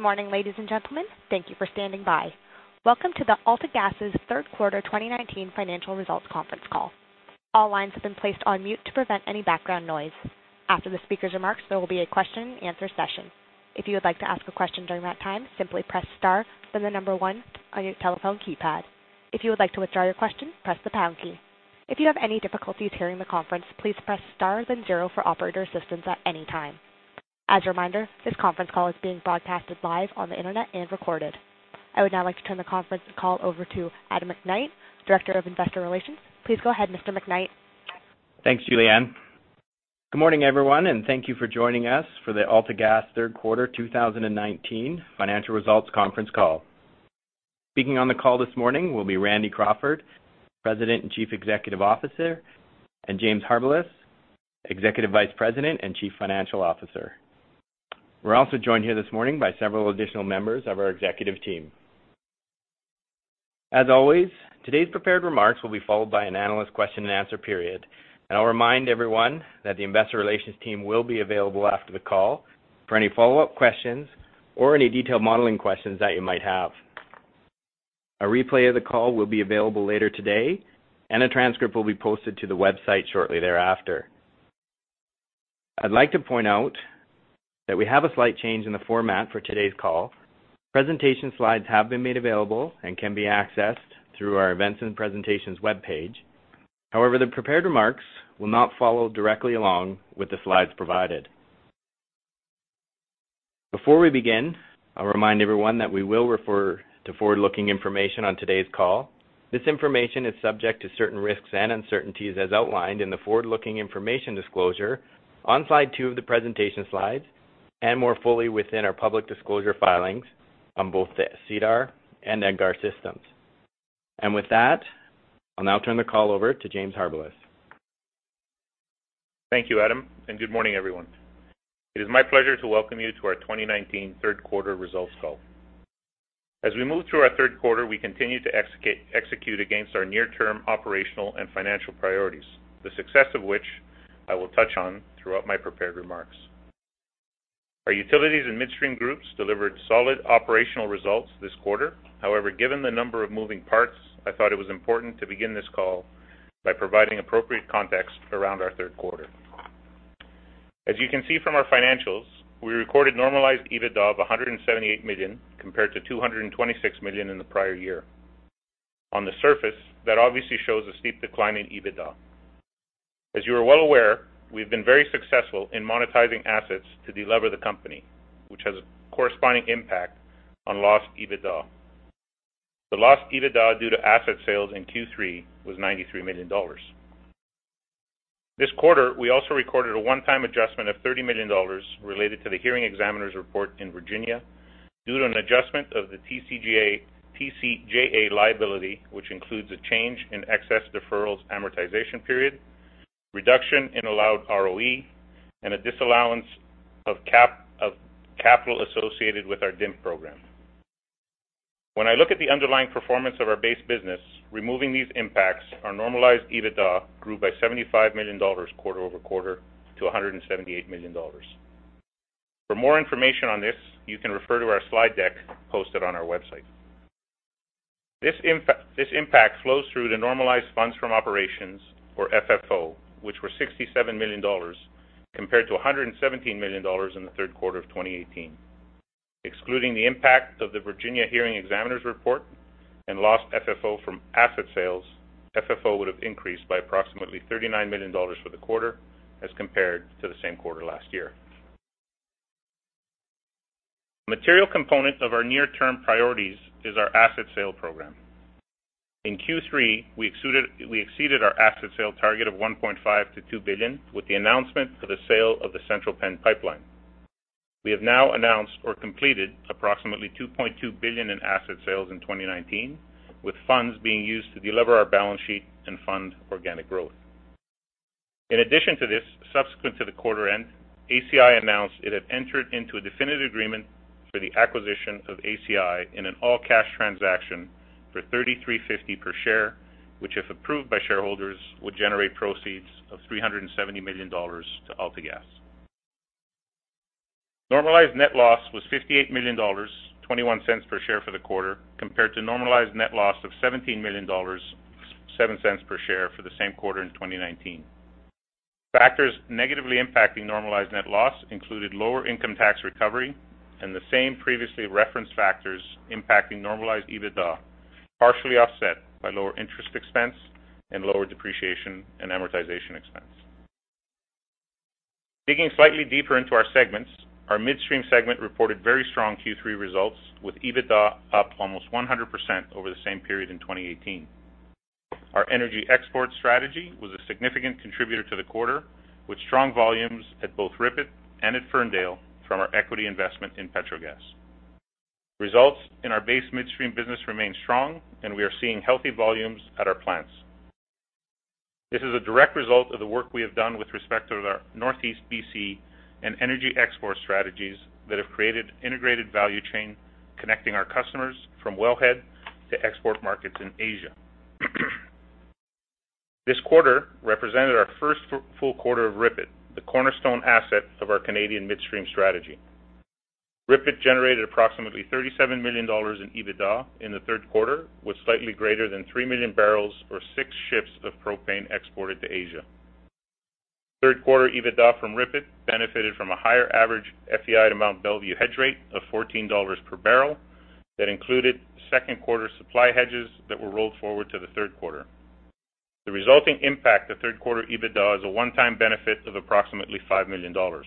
Good morning, ladies and gentlemen. Thank you for standing by. Welcome to the AltaGas's Third Quarter 2019 Financial Results Conference Call. All lines have been placed on mute to prevent any background noise. After the speaker's remarks, there will be a question and answer session. If you would like to ask a question during that time, simply press star, then the number one on your telephone keypad. If you would like to withdraw your question, press the pound key. If you have any difficulties hearing the conference, please press star, then zero for operator assistance at any time. As a reminder, this conference call is being broadcasted live on the internet and recorded. I would now like to turn the conference call over to Adam McKnight, Director of Investor Relations. Please go ahead, Mr. McKnight. Thanks, Julianne. Good morning, everyone. Thank you for joining us for the AltaGas Third Quarter 2019 Financial Results Conference Call. Speaking on the call this morning will be Randy Crawford, President and Chief Executive Officer, and James Harbilas, Executive Vice President and Chief Financial Officer. We're also joined here this morning by several additional members of our executive team. As always, today's prepared remarks will be followed by an analyst question and answer period. I'll remind everyone that the investor relations team will be available after the call for any follow-up questions or any detailed modeling questions that you might have. A replay of the call will be available later today, and a transcript will be posted to the website shortly thereafter. I'd like to point out that we have a slight change in the format for today's call. Presentation slides have been made available and can be accessed through our Events and Presentations webpage. The prepared remarks will not follow directly along with the slides provided. Before we begin, I'll remind everyone that we will refer to forward-looking information on today's call. This information is subject to certain risks and uncertainties as outlined in the forward-looking information disclosure on slide two of the presentation slides, and more fully within our public disclosure filings on both the SEDAR and EDGAR systems. With that, I'll now turn the call over to James Harbilas. Thank you, Adam. Good morning, everyone. It is my pleasure to welcome you to our 2019 third quarter results call. As we move through our third quarter, we continue to execute against our near-term operational and financial priorities, the success of which I will touch on throughout my prepared remarks. Our utilities and midstream groups delivered solid operational results this quarter. Given the number of moving parts, I thought it was important to begin this call by providing appropriate context around our third quarter. As you can see from our financials, we recorded normalized EBITDA of 178 million compared to 226 million in the prior year. On the surface, that obviously shows a steep decline in EBITDA. As you are well aware, we've been very successful in monetizing assets to delever the company, which has a corresponding impact on lost EBITDA. The lost EBITDA due to asset sales in Q3 was 93 million dollars. This quarter, we also recorded a one-time adjustment of 30 million dollars related to the hearing examiner's report in Virginia due to an adjustment of the TCJA liability, which includes a change in excess deferrals amortization period, reduction in allowed ROE, and a disallowance of capital associated with our DIM program. When I look at the underlying performance of our base business, removing these impacts, our normalized EBITDA grew by 75 million dollars quarter-over-quarter to 178 million dollars. For more information on this, you can refer to our slide deck posted on our website. This impact flows through to normalized funds from operations or FFO, which were 67 million dollars compared to 117 million dollars in the third quarter of 2018. Excluding the impact of the Virginia hearing examiner's report and lost FFO from asset sales, FFO would have increased by approximately 39 million dollars for the quarter as compared to the same quarter last year. A material component of our near-term priorities is our asset sale program. In Q3, we exceeded our asset sale target of 1.5 billion-2 billion with the announcement for the sale of the Central Penn Pipeline. We have now announced or completed approximately 2.2 billion in asset sales in 2019, with funds being used to delever our balance sheet and fund organic growth. In addition to this, subsequent to the quarter end, ACI announced it had entered into a definitive agreement for the acquisition of ACI in an all-cash transaction for 33.50 per share, which, if approved by shareholders, would generate proceeds of 370 million dollars to AltaGas. Normalized net loss was 58 million dollars, 0.21 per share for the quarter, compared to normalized net loss of 17 million dollars, 0.07 per share for the same quarter in 2019. Factors negatively impacting normalized net loss included lower income tax recovery and the same previously referenced factors impacting normalized EBITDA, partially offset by lower interest expense and lower depreciation and amortization expense. Digging slightly deeper into our segments, our midstream segment reported very strong Q3 results with EBITDA up almost 100% over the same period in 2018. Our energy export strategy was a significant contributor to the quarter, with strong volumes at both RIPET and at Ferndale from our equity investment in Petrogas. Results in our base midstream business remain strong, and we are seeing healthy volumes at our plants. This is a direct result of the work we have done with respect to our Northeast B.C. and energy export strategies that have created integrated value chain connecting our customers from wellhead to export markets in Asia. This quarter represented our first full quarter of RIPET, the cornerstone asset of our Canadian midstream strategy. RIPET generated approximately 37 million dollars in EBITDA in the third quarter, with slightly greater than 3 million barrels or 6 ships of propane exported to Asia. Third quarter EBITDA from RIPET benefited from a higher average FEI to Mont Belvieu hedge rate of 14 dollars per barrel. That included second quarter supply hedges that were rolled forward to the third quarter. The resulting impact of third quarter EBITDA is a one-time benefit of approximately 5 million dollars.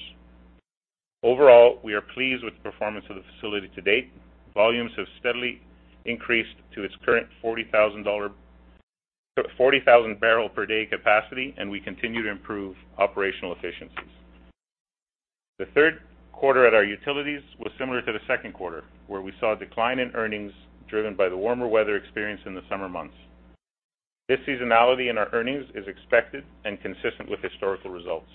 Overall, we are pleased with the performance of the facility to date. Volumes have steadily increased to its current 40,000 barrel per day capacity, and we continue to improve operational efficiencies. The third quarter at our utilities was similar to the second quarter, where we saw a decline in earnings driven by the warmer weather experienced in the summer months. This seasonality in our earnings is expected and consistent with historical results.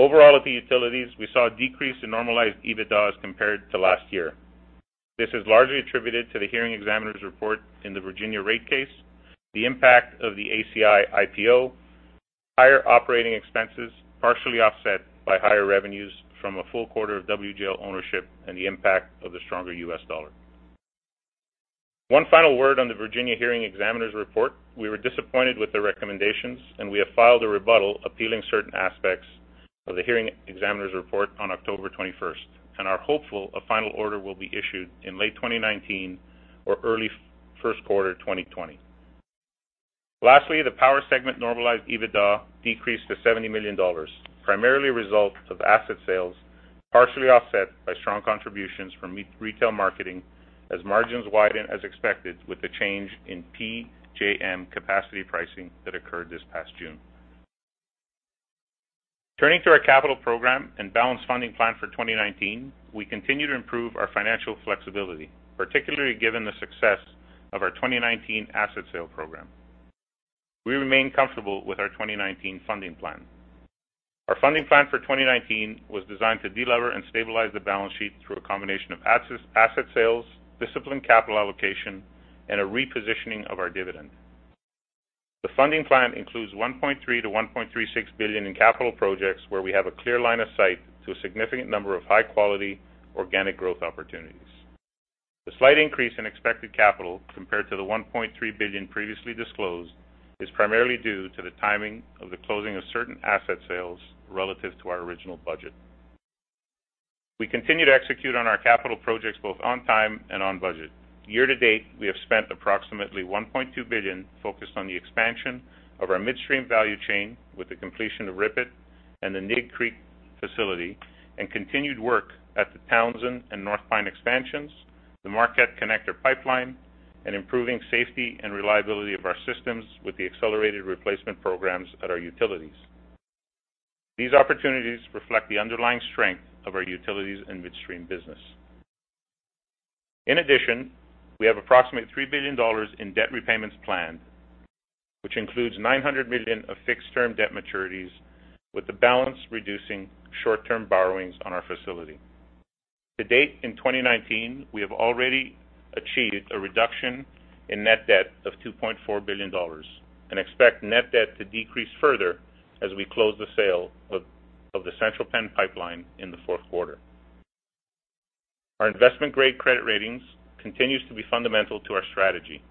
Overall, at the utilities, we saw a decrease in normalized EBITDA as compared to last year. This is largely attributed to the hearing examiner's report in the Virginia rate case, the impact of the ACI IPO, higher operating expenses, partially offset by higher revenues from a full quarter of WGL ownership, and the impact of the stronger U.S. dollar. One final word on the Virginia hearing examiner's report, we were disappointed with the recommendations, and we have filed a rebuttal appealing certain aspects of the hearing examiner's report on October 21st, and are hopeful a final order will be issued in late 2019 or early first quarter 2020. Lastly, the power segment normalized EBITDA decreased to 70 million dollars, primarily a result of asset sales, partially offset by strong contributions from retail marketing, as margins widen as expected with the change in PJM capacity pricing that occurred this past June. Turning to our capital program and balanced funding plan for 2019, we continue to improve our financial flexibility, particularly given the success of our 2019 asset sale program. We remain comfortable with our 2019 funding plan. Our funding plan for 2019 was designed to delever and stabilize the balance sheet through a combination of asset sales, disciplined capital allocation, and a repositioning of our dividend. The funding plan includes 1.3 billion-1.36 billion in capital projects where we have a clear line of sight to a significant number of high-quality organic growth opportunities. The slight increase in expected capital compared to the 1.3 billion previously disclosed is primarily due to the timing of the closing of certain asset sales relative to our original budget. We continue to execute on our capital projects both on time and on budget. Year to date, we have spent approximately 1.2 billion focused on the expansion of our midstream value chain with the completion of RIPET and the Nig Creek facility and continued work at the Townsend and North Pine expansions, the Marquette Connector Pipeline, and improving safety and reliability of our systems with the accelerated replacement programs at our utilities. These opportunities reflect the underlying strength of our utilities and midstream business. In addition, we have approximately 3 billion dollars in debt repayments planned, which includes 900 million of fixed-term debt maturities, with the balance reducing short-term borrowings on our facility. To date in 2019, we have already achieved a reduction in net debt of 2.4 billion dollars and expect net debt to decrease further as we close the sale of the Central Penn Pipeline in the fourth quarter. Our investment-grade credit ratings continues to be fundamental to our strategy.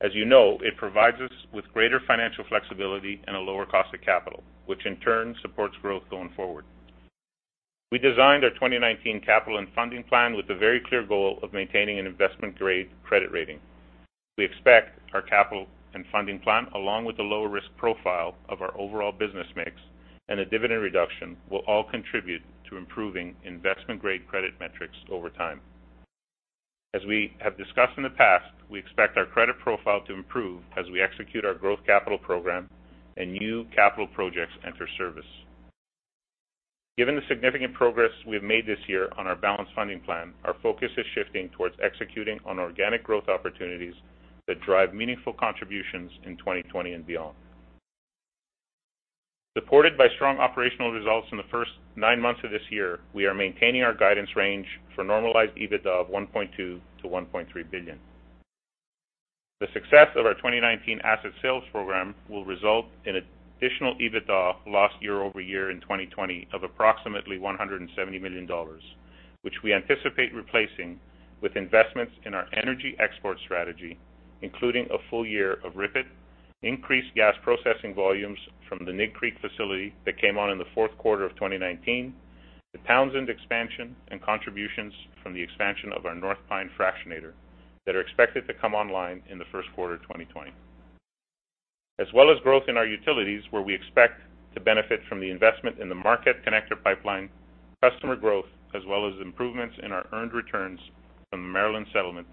As you know, it provides us with greater financial flexibility and a lower cost of capital, which in turn supports growth going forward. We designed our 2019 capital and funding plan with the very clear goal of maintaining an investment-grade credit rating. We expect our capital and funding plan, along with the lower risk profile of our overall business mix and a dividend reduction, will all contribute to improving investment-grade credit metrics over time. As we have discussed in the past, we expect our credit profile to improve as we execute our growth capital program and new capital projects enter service. Given the significant progress we have made this year on our balanced funding plan, our focus is shifting towards executing on organic growth opportunities that drive meaningful contributions in 2020 and beyond. Supported by strong operational results in the first nine months of this year, we are maintaining our guidance range for normalized EBITDA of 1.2 billion-1.3 billion. The success of our 2019 asset sales program will result in additional EBITDA last year-over-year in 2020 of approximately 170 million dollars, which we anticipate replacing with investments in our energy export strategy, including a full year of RIPET, increased gas processing volumes from the Nig Creek facility that came on in the fourth quarter of 2019, the Townsend expansion, and contributions from the expansion of our North Pine fractionator that are expected to come online in the first quarter 2020. As well as growth in our utilities, where we expect to benefit from the investment in the Marquette Connector Pipeline, customer growth, as well as improvements in our earned returns from the Maryland settlement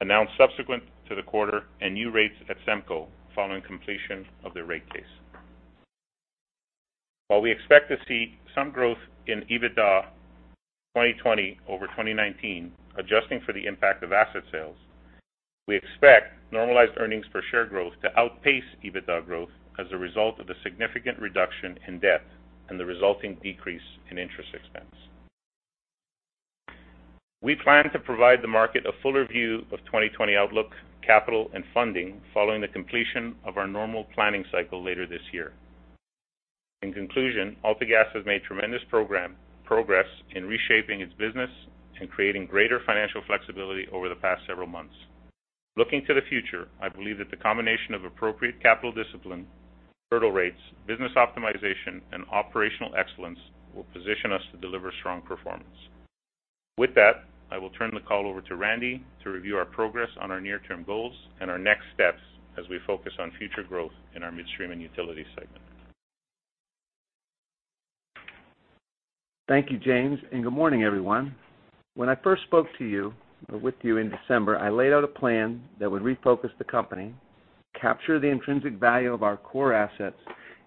announced subsequent to the quarter and new rates at SEMCO following completion of their rate case. While we expect to see some growth in EBITDA 2020 over 2019, adjusting for the impact of asset sales, we expect normalized earnings per share growth to outpace EBITDA growth as a result of the significant reduction in debt and the resulting decrease in interest expense. We plan to provide the market a fuller view of 2020 outlook, capital, and funding following the completion of our normal planning cycle later this year. In conclusion, AltaGas has made tremendous progress in reshaping its business and creating greater financial flexibility over the past several months. Looking to the future, I believe that the combination of appropriate capital discipline, hurdle rates, business optimization, and operational excellence will position us to deliver strong performance. With that, I will turn the call over to Randy to review our progress on our near-term goals and our next steps as we focus on future growth in our Midstream and utility segment. Thank you, James, and good morning, everyone. When I first spoke with you in December, I laid out a plan that would refocus the company, capture the intrinsic value of our core assets,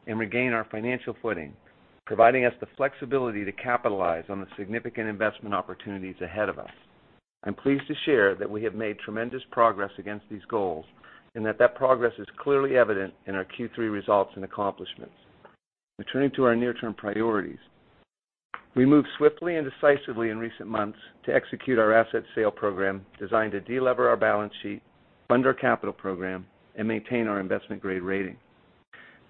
and regain our financial footing, providing us the flexibility to capitalize on the significant investment opportunities ahead of us. I'm pleased to share that we have made tremendous progress against these goals and that progress is clearly evident in our Q3 results and accomplishments. Now, turning to our near-term priorities. We moved swiftly and decisively in recent months to execute our asset sale program designed to de-lever our balance sheet, fund our capital program, and maintain our investment-grade rating.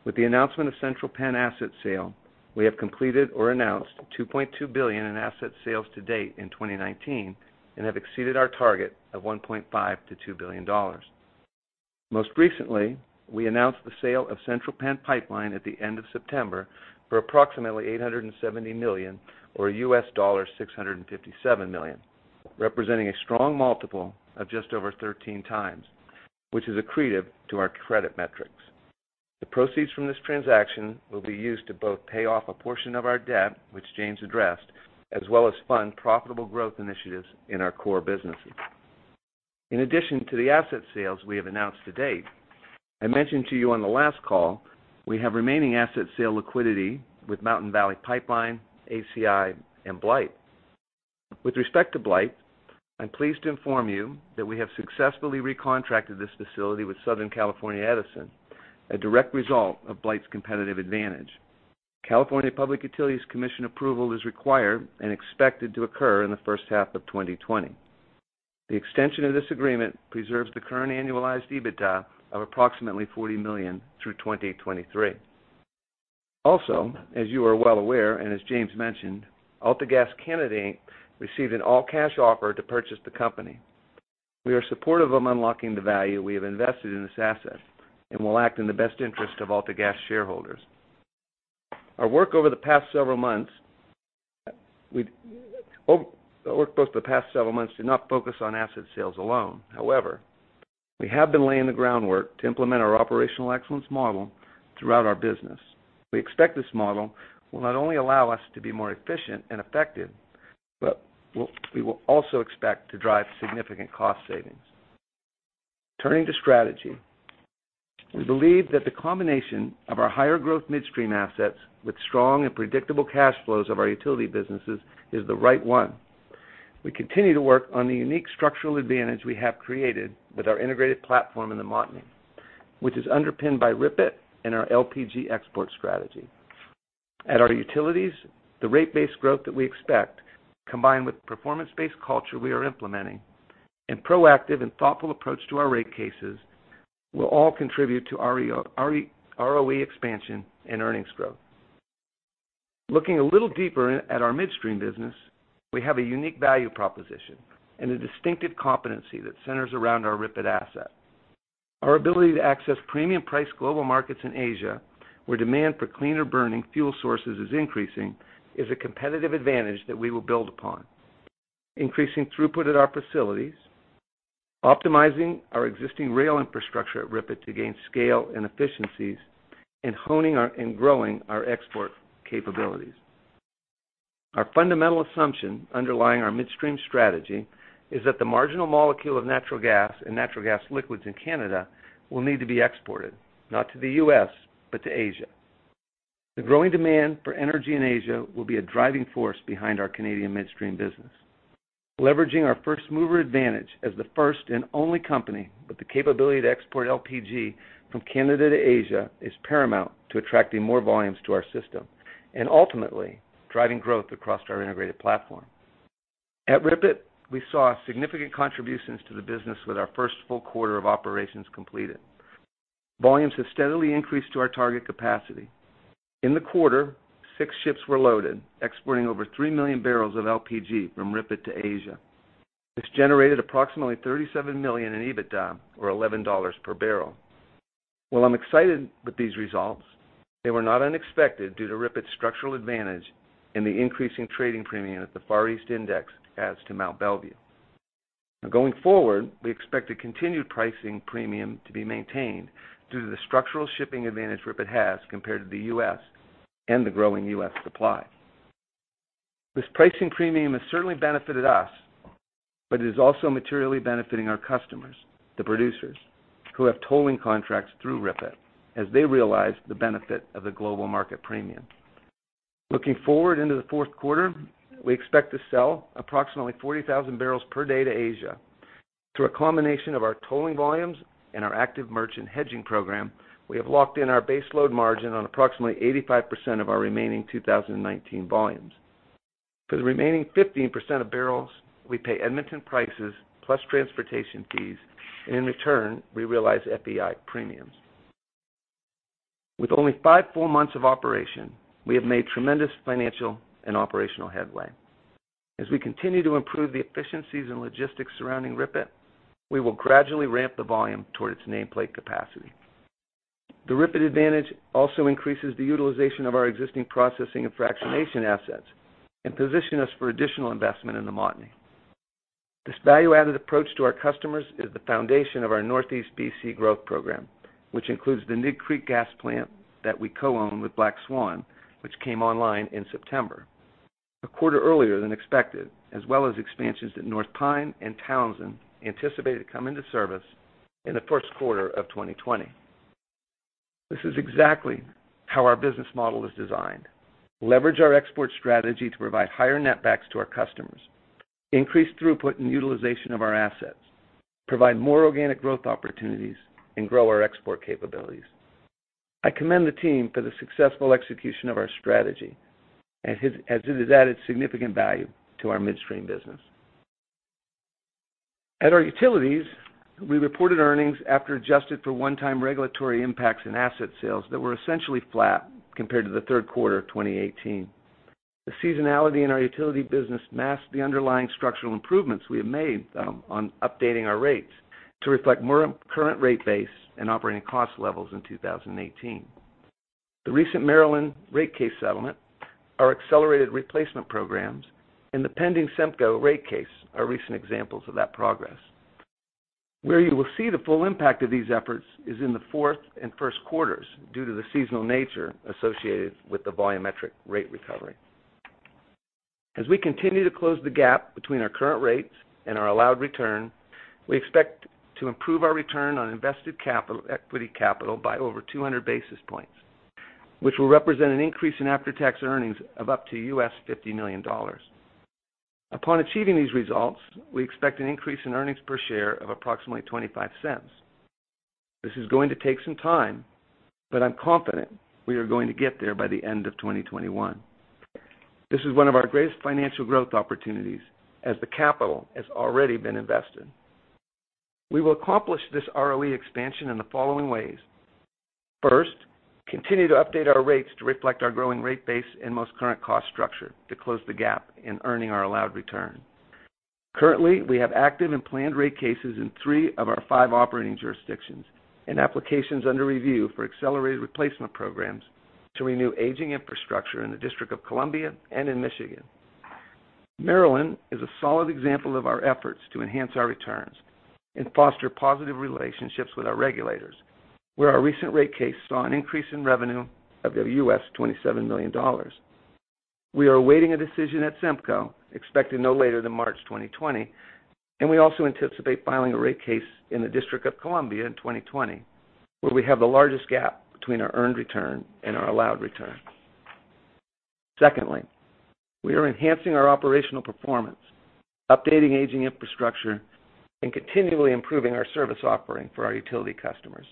With the announcement of Central Penn asset sale, we have completed or announced 2.2 billion in asset sales to date in 2019 and have exceeded our target of 1.5 billion to 2 billion dollars. Most recently, we announced the sale of Central Penn Pipeline at the end of September for approximately 870 million or $657 million, representing a strong multiple of just over 13 times, which is accretive to our credit metrics. The proceeds from this transaction will be used to both pay off a portion of our debt, which James addressed, as well as fund profitable growth initiatives in our core businesses. In addition to the asset sales we have announced to date, I mentioned to you on the last call, we have remaining asset sale liquidity with Mountain Valley Pipeline, ACI, and Blythe. With respect to Blythe, I am pleased to inform you that we have successfully recontracted this facility with Southern California Edison, a direct result of Blythe's competitive advantage. California Public Utilities Commission approval is required and expected to occur in the first half of 2020. The extension of this agreement preserves the current annualized EBITDA of approximately 40 million through 2023. Also, as you are well aware, and as James mentioned, AltaGas Canada Inc. received an all-cash offer to purchase the company. We are supportive of unlocking the value we have invested in this asset and will act in the best interest of AltaGas shareholders. Our work over the past several months did not focus on asset sales alone. However, we have been laying the groundwork to implement our operational excellence model throughout our business. We expect this model will not only allow us to be more efficient and effective, but we will also expect to drive significant cost savings. Turning to strategy. We believe that the combination of our higher growth midstream assets with strong and predictable cash flows of our utility businesses is the right one. We continue to work on the unique structural advantage we have created with our integrated platform in the Montney, which is underpinned by RIPET and our LPG export strategy. At our utilities, the rate-based growth that we expect, combined with performance-based culture we are implementing, and proactive and thoughtful approach to our rate cases will all contribute to ROE expansion and earnings growth. Looking a little deeper at our midstream business, we have a unique value proposition and a distinctive competency that centers around our RIPET asset. Our ability to access premium-priced global markets in Asia, where demand for cleaner-burning fuel sources is increasing, is a competitive advantage that we will build upon. Increasing throughput at our facilities, optimizing our existing rail infrastructure at RIPET to gain scale and efficiencies, and honing and growing our export capabilities. Our fundamental assumption underlying our midstream strategy is that the marginal molecule of natural gas and natural gas liquids in Canada will need to be exported, not to the U.S., but to Asia. The growing demand for energy in Asia will be a driving force behind our Canadian midstream business. Leveraging our first-mover advantage as the first and only company with the capability to export LPG from Canada to Asia is paramount to attracting more volumes to our system, and ultimately, driving growth across our integrated platform. At RIPET, we saw significant contributions to the business with our first full quarter of operations completed. Volumes have steadily increased to our target capacity. In the quarter, six ships were loaded, exporting over 3 million barrels of LPG from RIPET to Asia. This generated approximately 37 million in EBITDA or 11 dollars per barrel. While I'm excited with these results, they were not unexpected due to RIPET's structural advantage and the increasing trading premium that the Far East Index adds to Mont Belvieu. Going forward, we expect a continued pricing premium to be maintained due to the structural shipping advantage RIPET has compared to the U.S. and the growing U.S. supply. This pricing premium has certainly benefited us, but it is also materially benefiting our customers, the producers, who have tolling contracts through RIPET as they realize the benefit of the global market premium. Looking forward into the fourth quarter, we expect to sell approximately 40,000 barrels per day to Asia. Through a combination of our tolling volumes and our active merchant hedging program, we have locked in our base load margin on approximately 85% of our remaining 2019 volumes. For the remaining 15% of barrels, we pay Edmonton prices plus transportation fees, and in return, we realize FEI premiums. With only five full months of operation, we have made tremendous financial and operational headway. As we continue to improve the efficiencies and logistics surrounding RIPET, we will gradually ramp the volume toward its nameplate capacity. The RIPET advantage also increases the utilization of our existing processing and fractionation assets and position us for additional investment in the Montney. This value-added approach to our customers is the foundation of our Northeast B.C. growth program, which includes the Nig Creek gas plant that we co-own with Black Swan, which came online in September, a quarter earlier than expected, as well as expansions at North Pine and Townsend anticipated to come into service in the first quarter of 2020. This is exactly how our business model is designed. Leverage our export strategy to provide higher net backs to our customers, increase throughput and utilization of our assets, provide more organic growth opportunities, and grow our export capabilities. I commend the team for the successful execution of our strategy as it has added significant value to our midstream business. At our utilities, we reported earnings after adjusted for one-time regulatory impacts and asset sales that were essentially flat compared to the third quarter of 2018. The seasonality in our utility business masked the underlying structural improvements we have made on updating our rates to reflect more current rate base and operating cost levels in 2018. The recent Maryland rate case settlement, our accelerated replacement programs, and the pending SEMCO rate case are recent examples of that progress. Where you will see the full impact of these efforts is in the fourth and first quarters due to the seasonal nature associated with the volumetric rate recovery. As we continue to close the gap between our current rates and our allowed return, we expect to improve our return on invested equity capital by over 200 basis points, which will represent an increase in after-tax earnings of up to $50 million. Upon achieving these results, we expect an increase in EPS of approximately 0.25. This is going to take some time, but I'm confident we are going to get there by the end of 2021. This is one of our greatest financial growth opportunities as the capital has already been invested. We will accomplish this ROE expansion in the following ways. First, continue to update our rates to reflect our growing rate base and most current cost structure to close the gap in earning our allowed return. Currently, we have active and planned rate cases in three of our five operating jurisdictions and applications under review for accelerated replacement programs to renew aging infrastructure in the District of Columbia and in Michigan. Maryland is a solid example of our efforts to enhance our returns and foster positive relationships with our regulators, where our recent rate case saw an increase in revenue of $27 million. We are awaiting a decision at SEMCO, expected no later than March 2020, and we also anticipate filing a rate case in the District of Columbia in 2020, where we have the largest gap between our earned return and our allowed return. Secondly, we are enhancing our operational performance, updating aging infrastructure, and continually improving our service offering for our utility customers.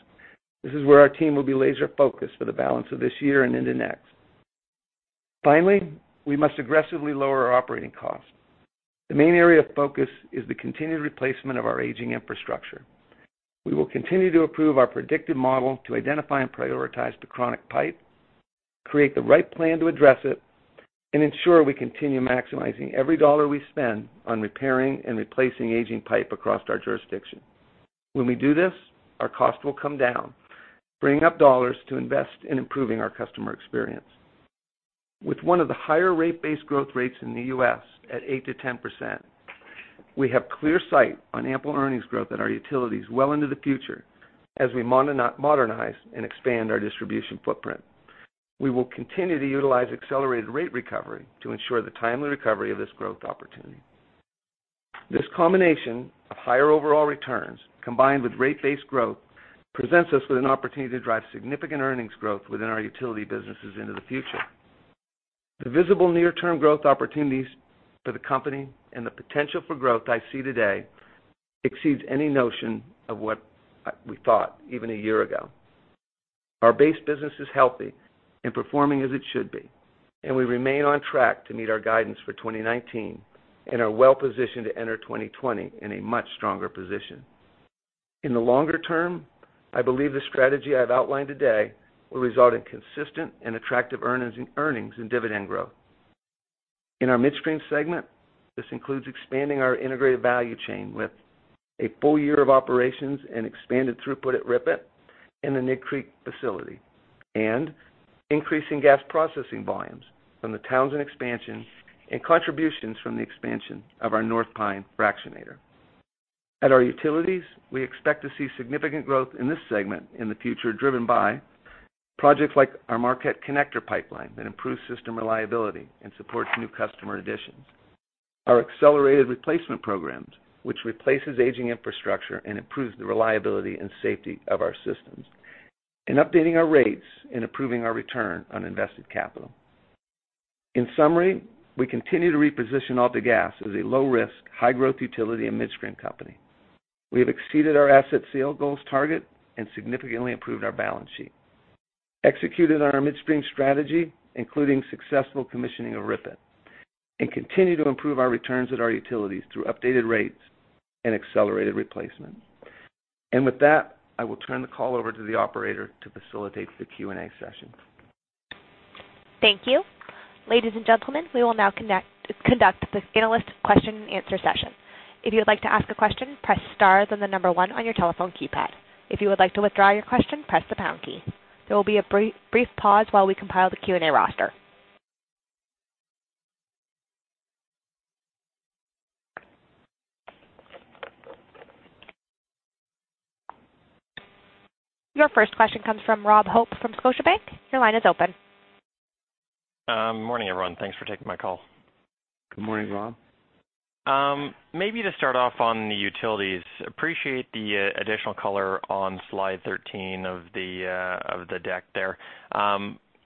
This is where our team will be laser-focused for the balance of this year and into next. Finally, we must aggressively lower our operating costs. The main area of focus is the continued replacement of our aging infrastructure. We will continue to improve our predictive model to identify and prioritize the chronic pipe, create the right plan to address it, and ensure we continue maximizing every dollar we spend on repairing and replacing aging pipe across our jurisdiction. When we do this, our cost will come down, bringing up dollars to invest in improving our customer experience. With one of the higher rate-based growth rates in the U.S. at 8%-10%, we have clear sight on ample earnings growth at our utilities well into the future as we modernize and expand our distribution footprint. We will continue to utilize accelerated rate recovery to ensure the timely recovery of this growth opportunity. This combination of higher overall returns combined with rate-based growth presents us with an opportunity to drive significant earnings growth within our utility businesses into the future. The visible near-term growth opportunities for the company and the potential for growth I see today exceeds any notion of what we thought even a year ago. Our base business is healthy and performing as it should be, and we remain on track to meet our guidance for 2019 and are well-positioned to enter 2020 in a much stronger position. In the longer term, I believe the strategy I've outlined today will result in consistent and attractive earnings and dividend growth. In our midstream segment, this includes expanding our integrated value chain with a full year of operations and expanded throughput at RIPET in the Nig Creek facility and increasing gas processing volumes from the Townsend expansion and contributions from the expansion of our North Pine fractionator. At our utilities, we expect to see significant growth in this segment in the future, driven by projects like our Marquette Connector pipeline that improves system reliability and supports new customer additions. Our accelerated replacement programs, which replaces aging infrastructure and improves the reliability and safety of our systems, and updating our rates and approving our return on invested capital. In summary, we continue to reposition AltaGas as a low-risk, high-growth utility and midstream company. We have exceeded our asset sale goals target and significantly improved our balance sheet, executed on our midstream strategy, including successful commissioning of RIPET, and continue to improve our returns at our utilities through updated rates and accelerated replacement. With that, I will turn the call over to the operator to facilitate the Q&A session. Thank you. Ladies and gentlemen, we will now conduct the analyst question and answer session. If you would like to ask a question, press star, then the number one on your telephone keypad. If you would like to withdraw your question, press the pound key. There will be a brief pause while we compile the Q&A roster. Your first question comes from Rob Hope from Scotiabank. Your line is open. Morning, everyone. Thanks for taking my call. Good morning, Rob. Maybe to start off on the utilities, appreciate the additional color on slide 13 of the deck there.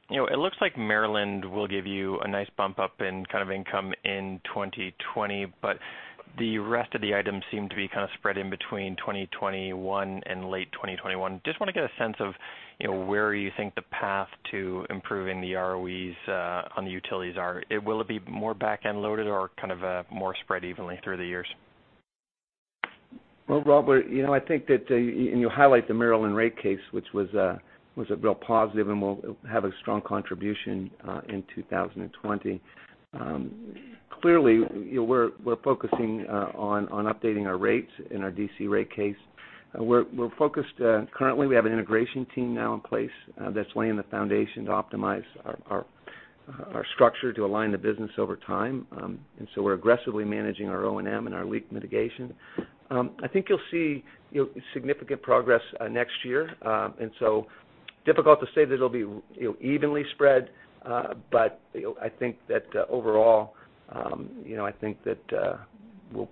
It looks like Maryland will give you a nice bump up in income in 2020, but the rest of the items seem to be kind of spread in between 2021 and late 2021. Just want to get a sense of where you think the path to improving the ROEs on the utilities are. Will it be more back-end loaded or kind of more spread evenly through the years? Well, Rob, I think that you highlight the Maryland rate case, which was a real positive and will have a strong contribution in 2020. Clearly, we're focusing on updating our rates in our D.C. rate case. We're focused. Currently, we have an integration team now in place that's laying the foundation to optimize our structure to align the business over time. We're aggressively managing our O&M and our leak mitigation. I think you'll see significant progress next year. Difficult to say that it'll be evenly spread. I think that overall, I think that we'll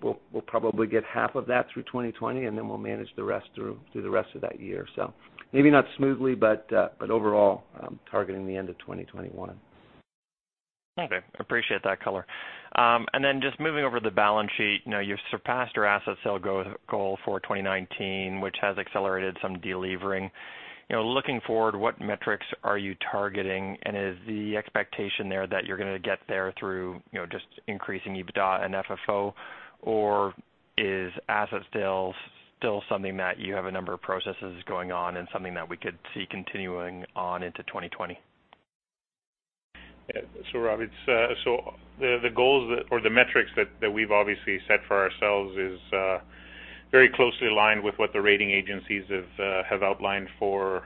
probably get half of that through 2020, and then we'll manage the rest through the rest of that year. Maybe not smoothly, but overall, targeting the end of 2021. Okay. Appreciate that color. Then just moving over the balance sheet. You've surpassed your asset sale goal for 2019, which has accelerated some delevering. Looking forward, what metrics are you targeting? Is the expectation there that you're going to get there through just increasing EBITDA and FFO? Is asset sales still something that you have a number of processes going on and something that we could see continuing on into 2020? Yeah. Rob, the goals or the metrics that we've obviously set for ourselves is very closely aligned with what the rating agencies have outlined for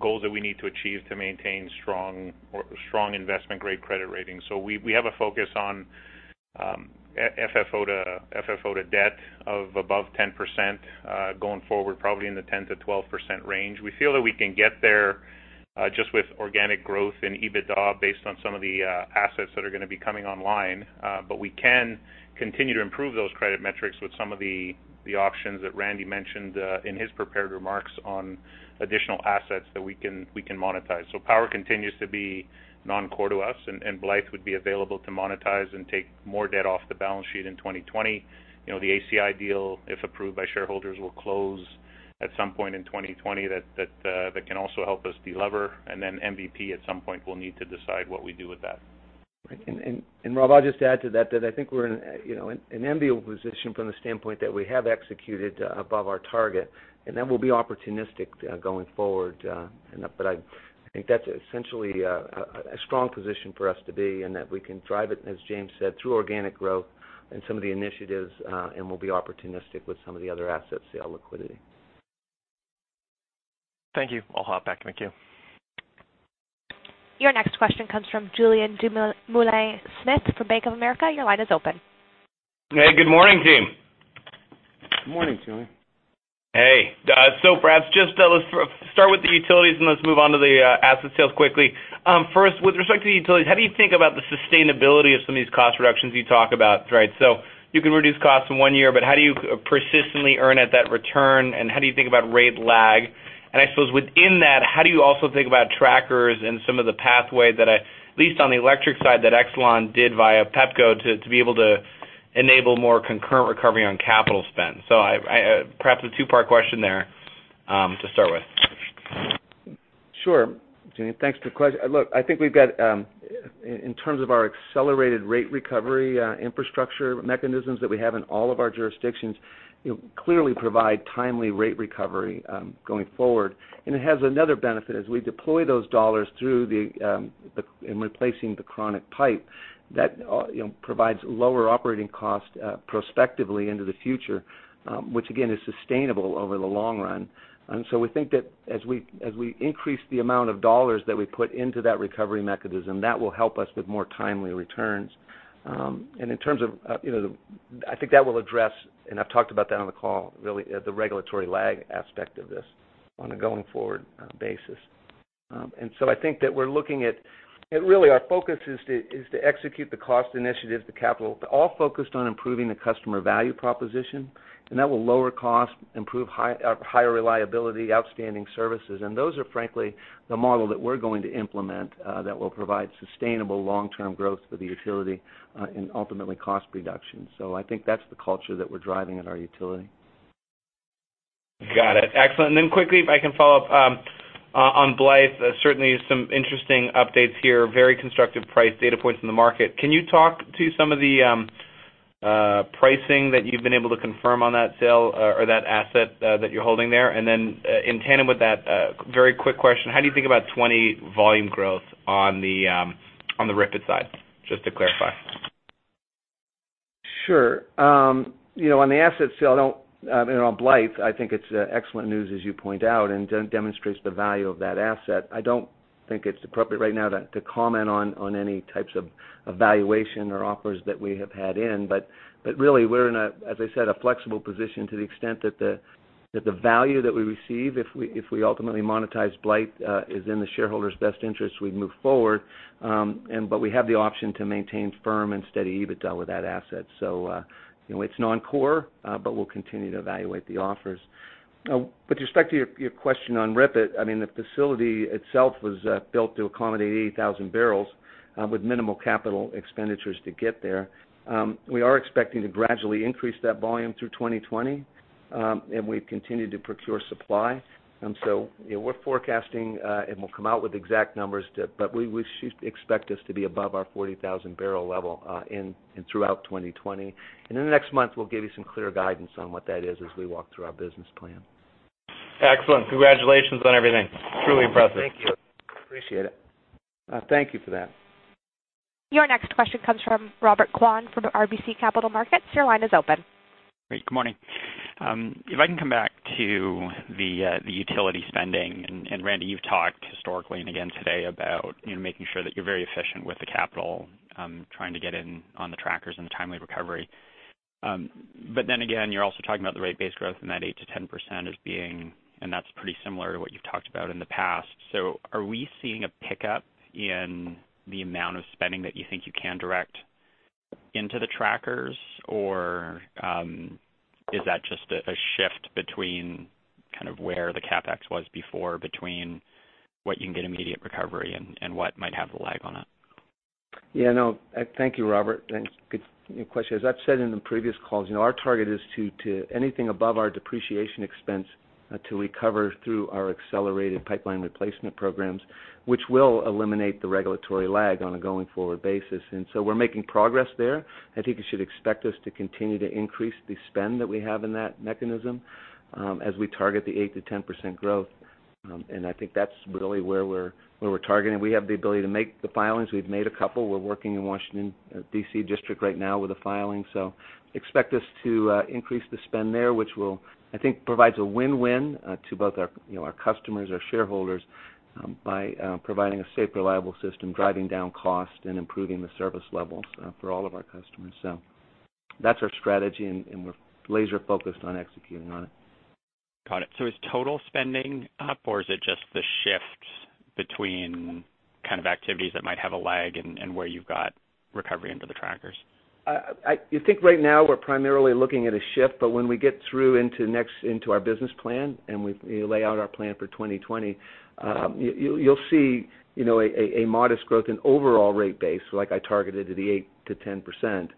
goals that we need to achieve to maintain strong investment-grade credit rating. We have a focus on FFO to debt of above 10%. Going forward, probably in the 10%-12% range. We feel that we can get there just with organic growth in EBITDA based on some of the assets that are going to be coming online. We can continue to improve those credit metrics with some of the options that Randy mentioned in his prepared remarks on additional assets that we can monetize. Power continues to be non-core to us, and Blythe would be available to monetize and take more debt off the balance sheet in 2020. The ACI deal, if approved by shareholders, will close at some point in 2020. That can also help us delever. MVP, at some point, we'll need to decide what we do with that. Rob, I'll just add to that I think we're in an enviable position from the standpoint that we have executed above our target, and that we'll be opportunistic going forward. I think that's essentially a strong position for us to be in that we can drive it, as James said, through organic growth and some of the initiatives, and we'll be opportunistic with some of the other asset sale liquidity. Thank you. I'll hop back. Thank you. Your next question comes from Julien Dumoulin-Smith from Bank of America. Your line is open. Hey, good morning, team. Good morning, Julien. Hey. Perhaps just let's start with the utilities, and let's move on to the asset sales quickly. First, with respect to the utilities, how do you think about the sustainability of some of these cost reductions you talk about? You can reduce costs in one year, but how do you persistently earn at that return, and how do you think about rate lag? I suppose within that, how do you also think about trackers and some of the pathway that at least on the electric side, that Exelon did via Pepco to be able to enable more concurrent recovery on capital spend? Perhaps a two-part question there to start with. Sure. Julien, thanks for the question. Look, I think we've got in terms of our accelerated rate recovery infrastructure mechanisms that we have in all of our jurisdictions, clearly provide timely rate recovery going forward. It has another benefit. As we deploy those dollars through in replacing the chronic pipe, that provides lower operating cost prospectively into the future, which again, is sustainable over the long run. We think that as we increase the amount of dollars that we put into that recovery mechanism, that will help us with more timely returns. In terms of I think that will address, and I've talked about that on the call, really, the regulatory lag aspect of this on a going-forward basis. I think that we're looking at really our focus is to execute the cost initiatives, the capital, all focused on improving the customer value proposition, and that will lower cost, improve higher reliability, outstanding services. Those are, frankly, the model that we're going to implement, that will provide sustainable long-term growth for the utility, and ultimately cost reduction. I think that's the culture that we're driving at our utility. Got it. Excellent. quickly, if I can follow up on Blythe. Certainly, some interesting updates here, very constructive price data points in the market. Can you talk to some of the pricing that you've been able to confirm on that sale or that asset that you're holding there? in tandem with that, very quick question, how do you think about 2020 volume growth on the RIPET side, just to clarify? Sure. On the asset sale on Blythe, I think it's excellent news, as you point out, and demonstrates the value of that asset. I don't think it's appropriate right now to comment on any types of valuation or offers that we have had in, but really, we're in a, as I said, a flexible position to the extent that the value that we receive if we ultimately monetize Blythe is in the shareholders' best interest, we'd move forward. We have the option to maintain firm and steady EBITDA with that asset. It's non-core, but we'll continue to evaluate the offers. With respect to your question on RIPET, the facility itself was built to accommodate 80,000 barrels with minimal capital expenditures to get there. We are expecting to gradually increase that volume through 2020, and we've continued to procure supply. We're forecasting, and we'll come out with exact numbers, but we should expect this to be above our 40,000-barrel level in and throughout 2020. In the next month, we'll give you some clear guidance on what that is as we walk through our business plan. Excellent. Congratulations on everything. Truly impressive. Thank you. Appreciate it. Thank you for that. Your next question comes from Robert Kwan from RBC Capital Markets. Your line is open. Great. Good morning. If I can come back to the utility spending, and Randy, you've talked historically and again today about making sure that you're very efficient with the capital, trying to get in on the trackers and the timely recovery. Again, you're also talking about the rate base growth and that 8%-10% as being, and that's pretty similar to what you've talked about in the past. Are we seeing a pickup in the amount of spending that you think you can direct into the trackers, or is that just a shift between kind of where the CapEx was before, between what you can get immediate recovery and what might have a lag on it? Yeah, no. Thank you, Robert. Good question. As I've said in the previous calls, our target is to anything above our depreciation expense to recover through our accelerated pipeline replacement programs, which will eliminate the regulatory lag on a going-forward basis. We're making progress there. I think you should expect us to continue to increase the spend that we have in that mechanism as we target the 8%-10% growth. I think that's really where we're targeting. We have the ability to make the filings. We've made a couple. We're working in Washington, D.C. right now with a filing. Expect us to increase the spend there, which will, I think, provides a win-win to both our customers, our shareholders by providing a safe, reliable system, driving down cost, and improving the service levels for all of our customers. that's our strategy, and we're laser-focused on executing on it. Got it. Is total spending up, or is it just the shift between kind of activities that might have a lag and where you've got recovery under the trackers? I think right now we're primarily looking at a shift, but when we get through into our business plan and we lay out our plan for 2020, you'll see a modest growth in overall rate base, like I targeted at the 8%-10%.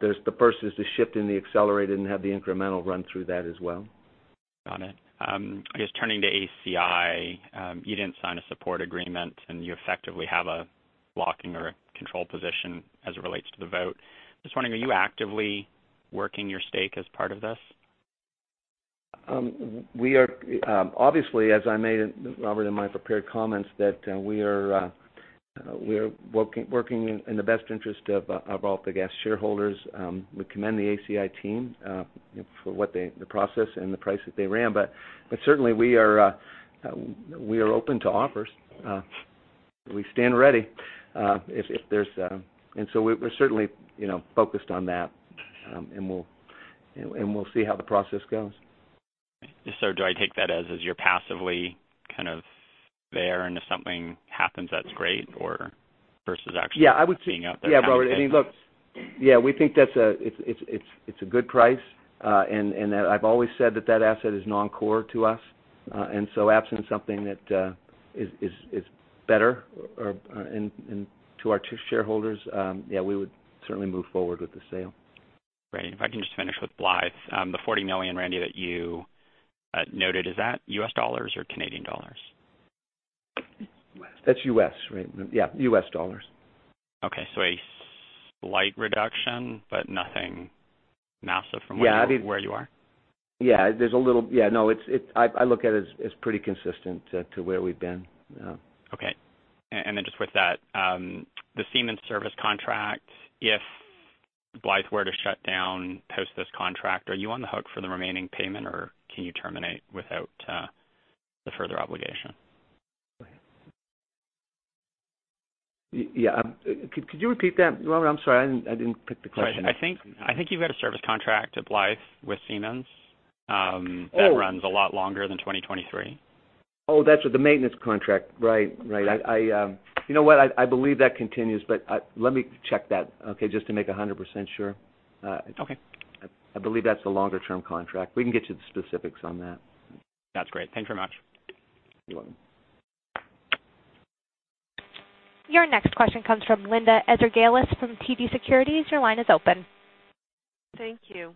there's the first is the shift in the accelerated and have the incremental run through that as well. Got it. I guess turning to ACI, you didn't sign a support agreement, and you effectively have a blocking or a control position as it relates to the vote. Just wondering, are you actively working your stake as part of this? Obviously, as I made it, Robert, in my prepared comments, that we are working in the best interest of AltaGas shareholders. We commend the ACI team for the process and the price that they ran. Certainly, we are open to offers. We stand ready. We're certainly focused on that. We'll see how the process goes. Do I take that as you're passively kind of there, and if something happens, that's great, or versus actually- Yeah, I would say- being out there trying to get it? Yeah, Robert. I mean, look. Yeah, we think it's a good price, and that I've always said that that asset is non-core to us. absent something that is better to our shareholders, yeah, we would certainly move forward with the sale. Great. If I can just finish with Blythe. The $40 million, Randy, that you noted, is that US dollars or Canadian dollars? That's U.S., right? Yeah, U.S. dollars. Okay. A slight reduction, but nothing massive from- Yeah, I mean. where you are? Yeah. No, I look at it as pretty consistent to where we've been. Yeah. Okay. just with that, the Siemens service contract, if Blythe were to shut down post this contract, are you on the hook for the remaining payment, or can you terminate without the further obligation? Yeah. Could you repeat that? I'm sorry, I didn't pick the question up. I think you've got a service contract of life with Siemens. Oh that runs a lot longer than 2023. Oh, that's with the maintenance contract. Right. You know what? I believe that continues, but let me check that, okay, just to make 100% sure. Okay. I believe that's the longer-term contract. We can get you the specifics on that. That's great. Thanks very much. You're welcome. Your next question comes from Linda Ezergailis from TD Securities. Your line is open. Thank you.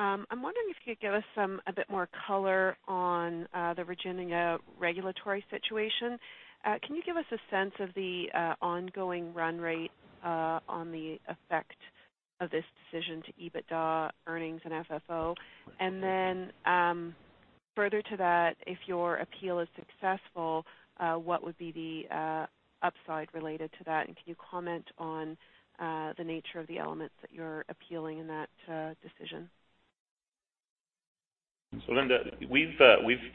I'm wondering if you could give us a bit more color on the Virginia regulatory situation. Can you give us a sense of the ongoing run rate on the effect of this decision to EBITDA earnings and FFO? Then, further to that, if your appeal is successful, what would be the upside related to that? Can you comment on the nature of the elements that you're appealing in that decision? Linda, we've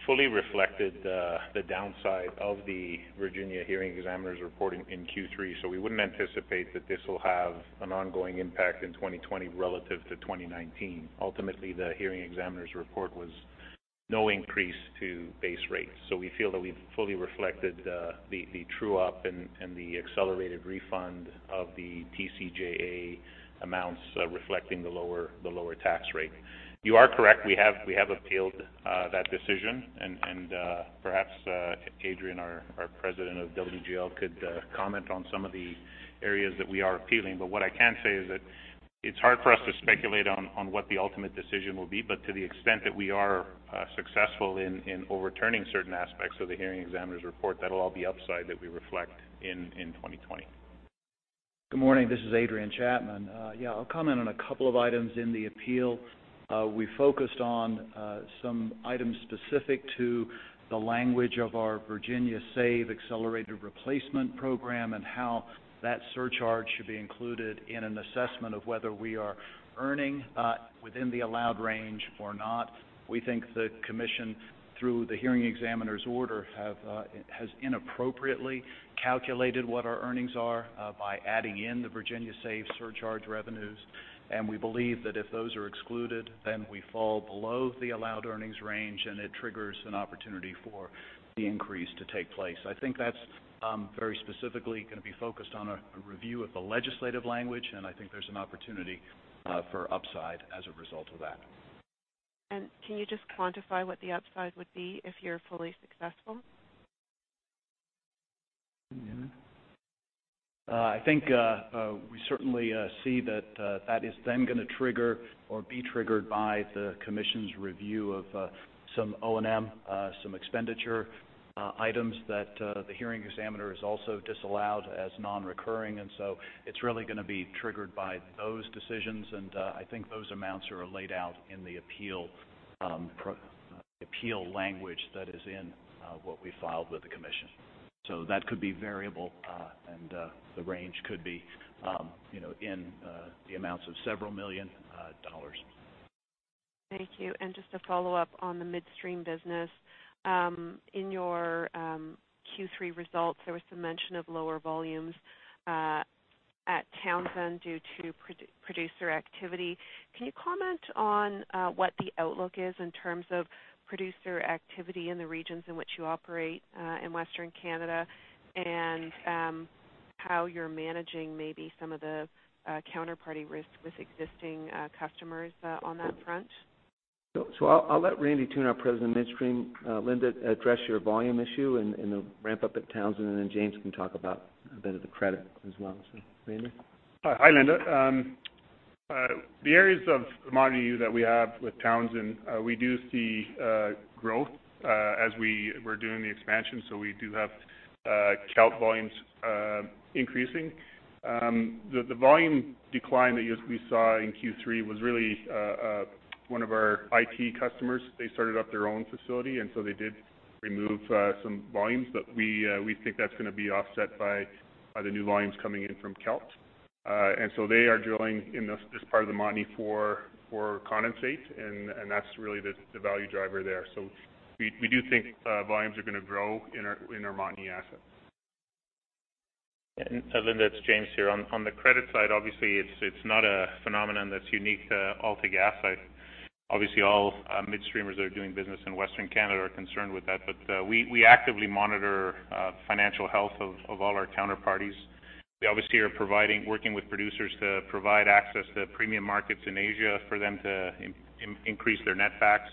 fully reflected the downside of the Virginia hearing examiner's report in Q3, so we wouldn't anticipate that this will have an ongoing impact in 2020 relative to 2019. Ultimately, the hearing examiner's report was no increase to base rates. We feel that we've fully reflected the true-up and the accelerated refund of the TCJA amounts reflecting the lower tax rate. You are correct, we have appealed that decision and perhaps Adrian, our President of WGL, could comment on some of the areas that we are appealing. What I can say is that it's hard for us to speculate on what the ultimate decision will be. To the extent that we are successful in overturning certain aspects of the hearing examiner's report, that'll all be upside that we reflect in 2020. Good morning, this is Adrian Chapman. Yeah, I'll comment on a couple of items in the appeal. We focused on some items specific to the language of our Virginia SAVE accelerated replacement program and how that surcharge should be included in an assessment of whether we are earning within the allowed range or not. We think the commission, through the hearing examiner's order, has inappropriately calculated what our earnings are by adding in the Virginia SAVE surcharge revenues. We believe that if those are excluded, then we fall below the allowed earnings range and it triggers an opportunity for the increase to take place. I think that's very specifically going to be focused on a review of the legislative language, and I think there's an opportunity for upside as a result of that. Can you just quantify what the upside would be if you're fully successful? I think we certainly see that is then going to trigger or be triggered by the commission's review of some O&M, some expenditure items that the hearing examiner has also disallowed as non-recurring. it's really going to be triggered by those decisions, and I think those amounts are laid out in the appeal language that is in what we filed with the commission. that could be variable, and the range could be in the amounts of several million dollars. Thank you. Just a follow-up on the midstream business. In your Q3 results, there was some mention of lower volumes at Townsend due to producer activity. Can you comment on what the outlook is in terms of producer activity in the regions in which you operate in Western Canada and how you're managing maybe some of the counterparty risks with existing customers on that front? I'll let Randy Toone, our President of Midstream, Linda, address your volume issue and the ramp-up at Townsend, and then James can talk about a bit of the credit as well. Randy? Hi, Linda. The areas of Montney that we have with Townsend, we do see growth as we're doing the expansion, so we do have contract volumes increasing. The volume decline that we saw in Q3 was really one of our IT customers. They started up their own facility, and so they did remove some volumes, but we think that's going to be offset by the new volumes coming in from Kelt. They are drilling in this part of the Montney for condensate, and that's really the value driver there. We do think volumes are going to grow in our Montney asset. Linda, it's James here. On the credit side, obviously, it's not a phenomenon that's unique to AltaGas. Obviously, all midstreamers that are doing business in Western Canada are concerned with that. We actively monitor financial health of all our counterparties. We obviously are working with producers to provide access to premium markets in Asia for them to increase their net backs.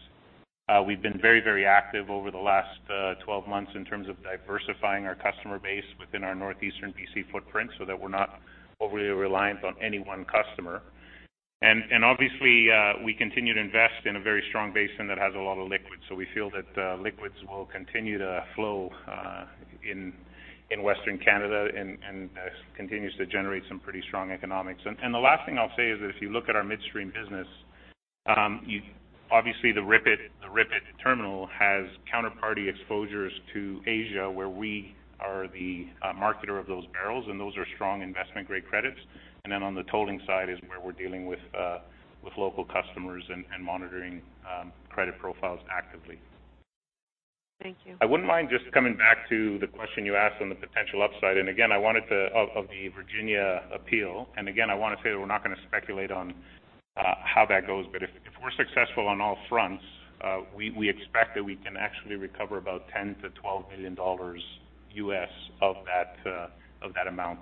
We've been very active over the last 12 months in terms of diversifying our customer base within our northeastern BC footprint so that we're not overly reliant on any one customer. We feel that liquids will continue to flow in Western Canada and continues to generate some pretty strong economics. the last thing I'll say is that if you look at our midstream business, obviously the RIPET terminal has counterparty exposures to Asia, where we are the marketer of those barrels, and those are strong investment-grade credits. On the tolling side is where we're dealing with local customers and monitoring credit profiles actively. Thank you. I wouldn't mind just coming back to the question you asked on the potential upside. Again, I wanted to Of the Virginia appeal. Again, I want to say that we're not going to speculate on how that goes, but if we're successful on all fronts, we expect that we can actually recover about $10 million-$12 million U.S. of that amount.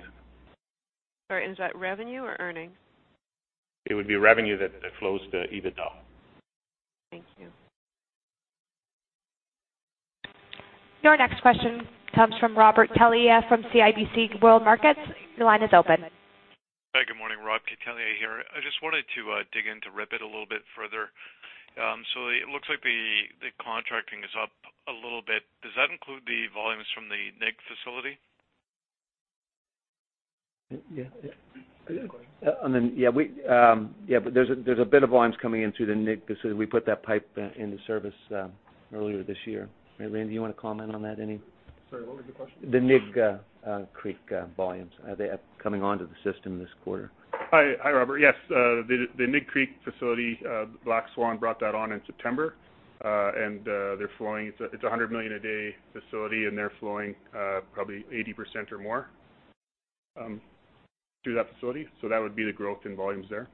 Sorry, is that revenue or earnings? It would be revenue that flows to EBITDA. Thank you. Your next question comes from Robert Catellier from CIBC World Markets. Your line is open. Hi, good morning. Rob Catellier here. I just wanted to dig into RIPET a little bit further. It looks like the contracting is up a little bit. Does that include the volumes from the Nig Creek facility? Yeah. Good question. Yeah. There's a bit of volumes coming into the Nig. We put that pipe into service earlier this year. Randy, do you want to comment on that any? Sorry, what was the question? The Nig Creek volumes. They are coming onto the system this quarter. Hi, Robert. Yes. The Nig Creek facility, Black Swan brought that on in September. They're flowing, it's a 100 million a day facility, and they're flowing probably 80% or more through that facility. That would be the growth in volumes there.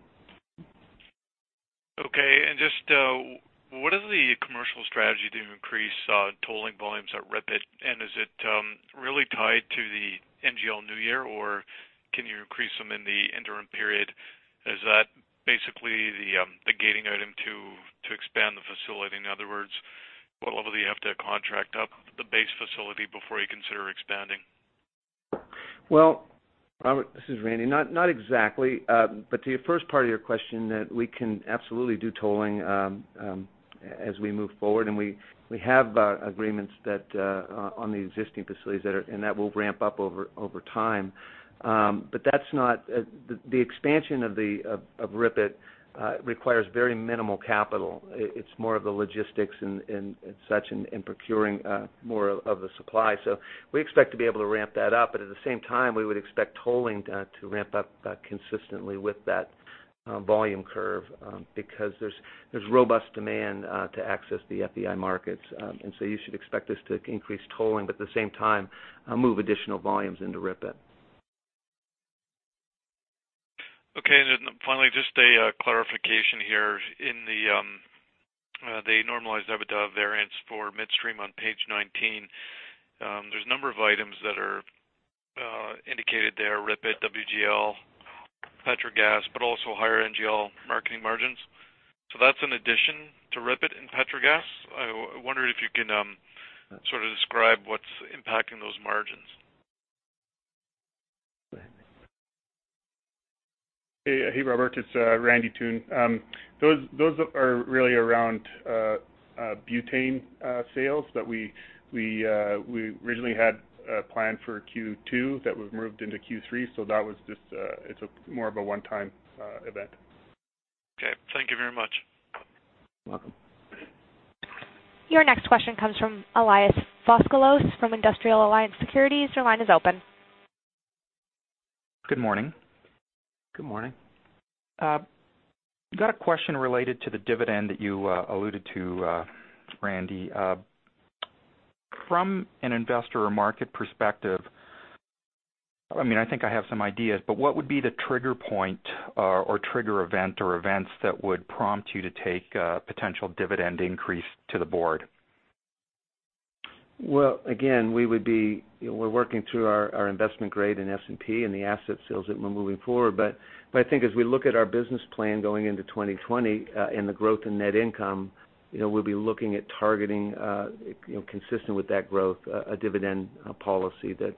Okay. Just what is the commercial strategy to increase tolling volumes at RIPET? Is it really tied to the NGL new year, or can you increase them in the interim period? Is that basically the gating item to expand the facility? In other words, what level do you have to contract up the base facility before you consider expanding? Well, Robert, this is Randy. Not exactly. To your first part of your question, that we can absolutely do tolling as we move forward. We have agreements on the existing facilities, and that will ramp up over time. The expansion of RIPET requires very minimal capital. It's more of the logistics and such in procuring more of the supply. We expect to be able to ramp that up. At the same time, we would expect tolling to ramp up consistently with that volume curve, because there's robust demand to access the FEI markets. You should expect us to increase tolling, but at the same time, move additional volumes into RIPET. Okay. finally, just a clarification here. In the normalized EBITDA variance for midstream on page 19, there's a number of items that are indicated there, RIPET, WGL, Petrogas, but also higher NGL marketing margins. that's an addition to RIPET and Petrogas? I wondered if you can sort of describe what's impacting those margins. Go ahead, Randy. Hey, Robert. It's Randy Toone. Those are really around butane sales that we originally had planned for Q2 that we've moved into Q3. That was just more of a one-time event. Okay. Thank you very much. You're welcome. Your next question comes from Elias Foscolos from Industrial Alliance Securities. Your line is open. Good morning. Good morning. Got a question related to the dividend that you alluded to, Randy. From an investor or market perspective, I think I have some ideas, but what would be the trigger point or trigger event or events that would prompt you to take a potential dividend increase to the board? Well, again, we're working through our investment grade in S&P and the asset sales that we're moving forward. I think as we look at our business plan going into 2020 and the growth in net income, we'll be looking at targeting, consistent with that growth, a dividend policy that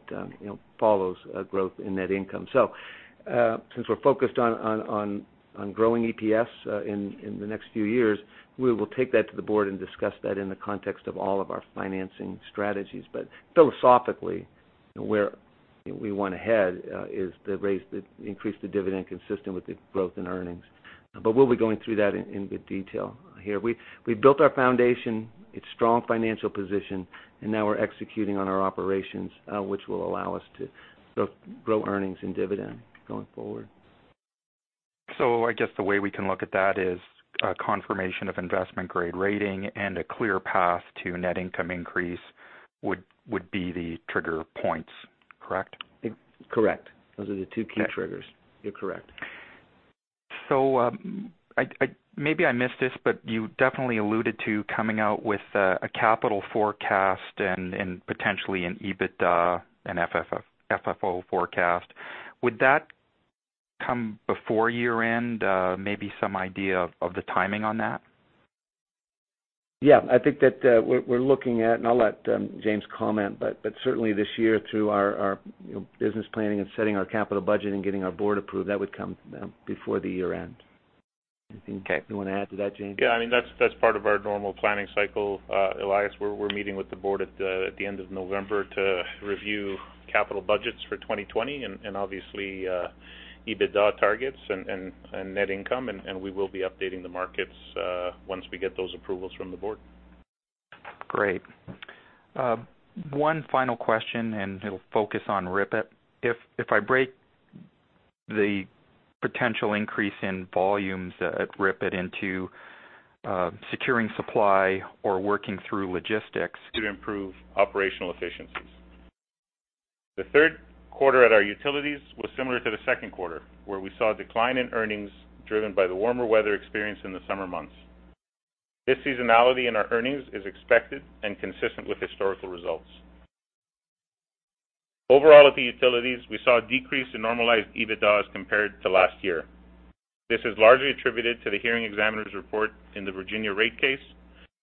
follows a growth in net income. since we're focused on growing EPS in the next few years, we will take that to the board and discuss that in the context of all of our financing strategies. philosophically, where we want to head is to increase the dividend consistent with the growth in earnings. we'll be going through that in good detail here. We built our foundation, its strong financial position, and now we're executing on our operations, which will allow us to grow earnings and dividend going forward. I guess the way we can look at that is a confirmation of investment grade rating and a clear path to net income increase would be the trigger points, correct? Correct. Those are the two key triggers. You're correct. Maybe I missed this, but you definitely alluded to coming out with a capital forecast and potentially an EBITDA and FFO forecast? Would that come before year-end? Maybe some idea of the timing on that? Yeah. I think that we're looking at, and I'll let James comment, but certainly this year through our business planning and setting our capital budget and getting our board approved, that would come before the year-end. Anything you want to add to that, James? That's part of our normal planning cycle, Elias. We're meeting with the board at the end of November to review capital budgets for 2020 and obviously, EBITDA targets and net income. We will be updating the markets once we get those approvals from the board. Great. One final question. It'll focus on RIPET. If I break-The potential increase in volumes at RIPET into securing supply or working through logistics. To improve operational efficiencies. The third quarter at our utilities was similar to the second quarter, where we saw a decline in earnings driven by the warmer weather experienced in the summer months. This seasonality in our earnings is expected and consistent with historical results. Overall, at the utilities, we saw a decrease in normalized EBITDA as compared to last year. This is largely attributed to the hearing examiner's report in the Virginia rate case,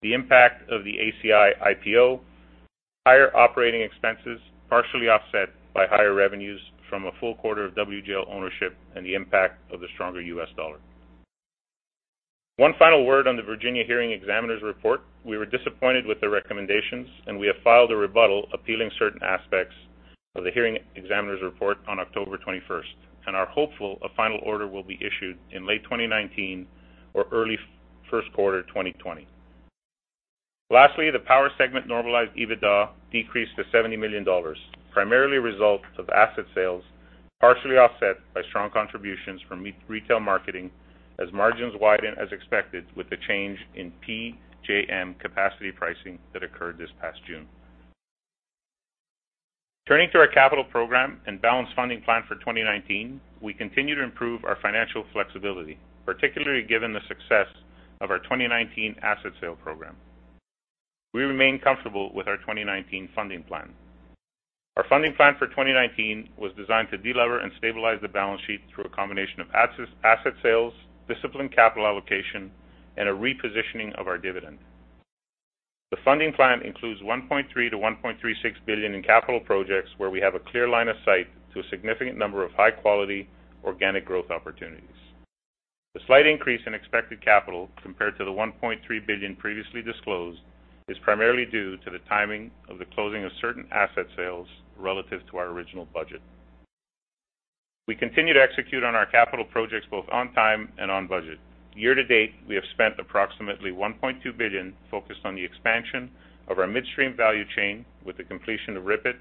the impact of the ACI IPO, higher operating expenses, partially offset by higher revenues from a full quarter of WGL ownership, and the impact of the stronger US dollar. One final word on the Virginia hearing examiner's report. We were disappointed with the recommendations, and we have filed a rebuttal appealing certain aspects of the hearing examiner's report on October 21st and are hopeful a final order will be issued in late 2019 or early first quarter 2020. Lastly, the power segment normalized EBITDA decreased to 70 million dollars, primarily a result of asset sales, partially offset by strong contributions from retail marketing, as margins widened as expected with the change in PJM capacity pricing that occurred this past June. Turning to our capital program and balanced funding plan for 2019, we continue to improve our financial flexibility, particularly given the success of our 2019 asset sale program. We remain comfortable with our 2019 funding plan. Our funding plan for 2019 was designed to de-lever and stabilize the balance sheet through a combination of asset sales, disciplined capital allocation, and a repositioning of our dividend. The funding plan includes 1.3 billion-1.36 billion in capital projects, where we have a clear line of sight to a significant number of high-quality organic growth opportunities. The slight increase in expected capital compared to the 1.3 billion previously disclosed is primarily due to the timing of the closing of certain asset sales relative to our original budget. We continue to execute on our capital projects both on time and on budget. Year to date, we have spent approximately 1.2 billion focused on the expansion of our midstream value chain with the completion of RIPET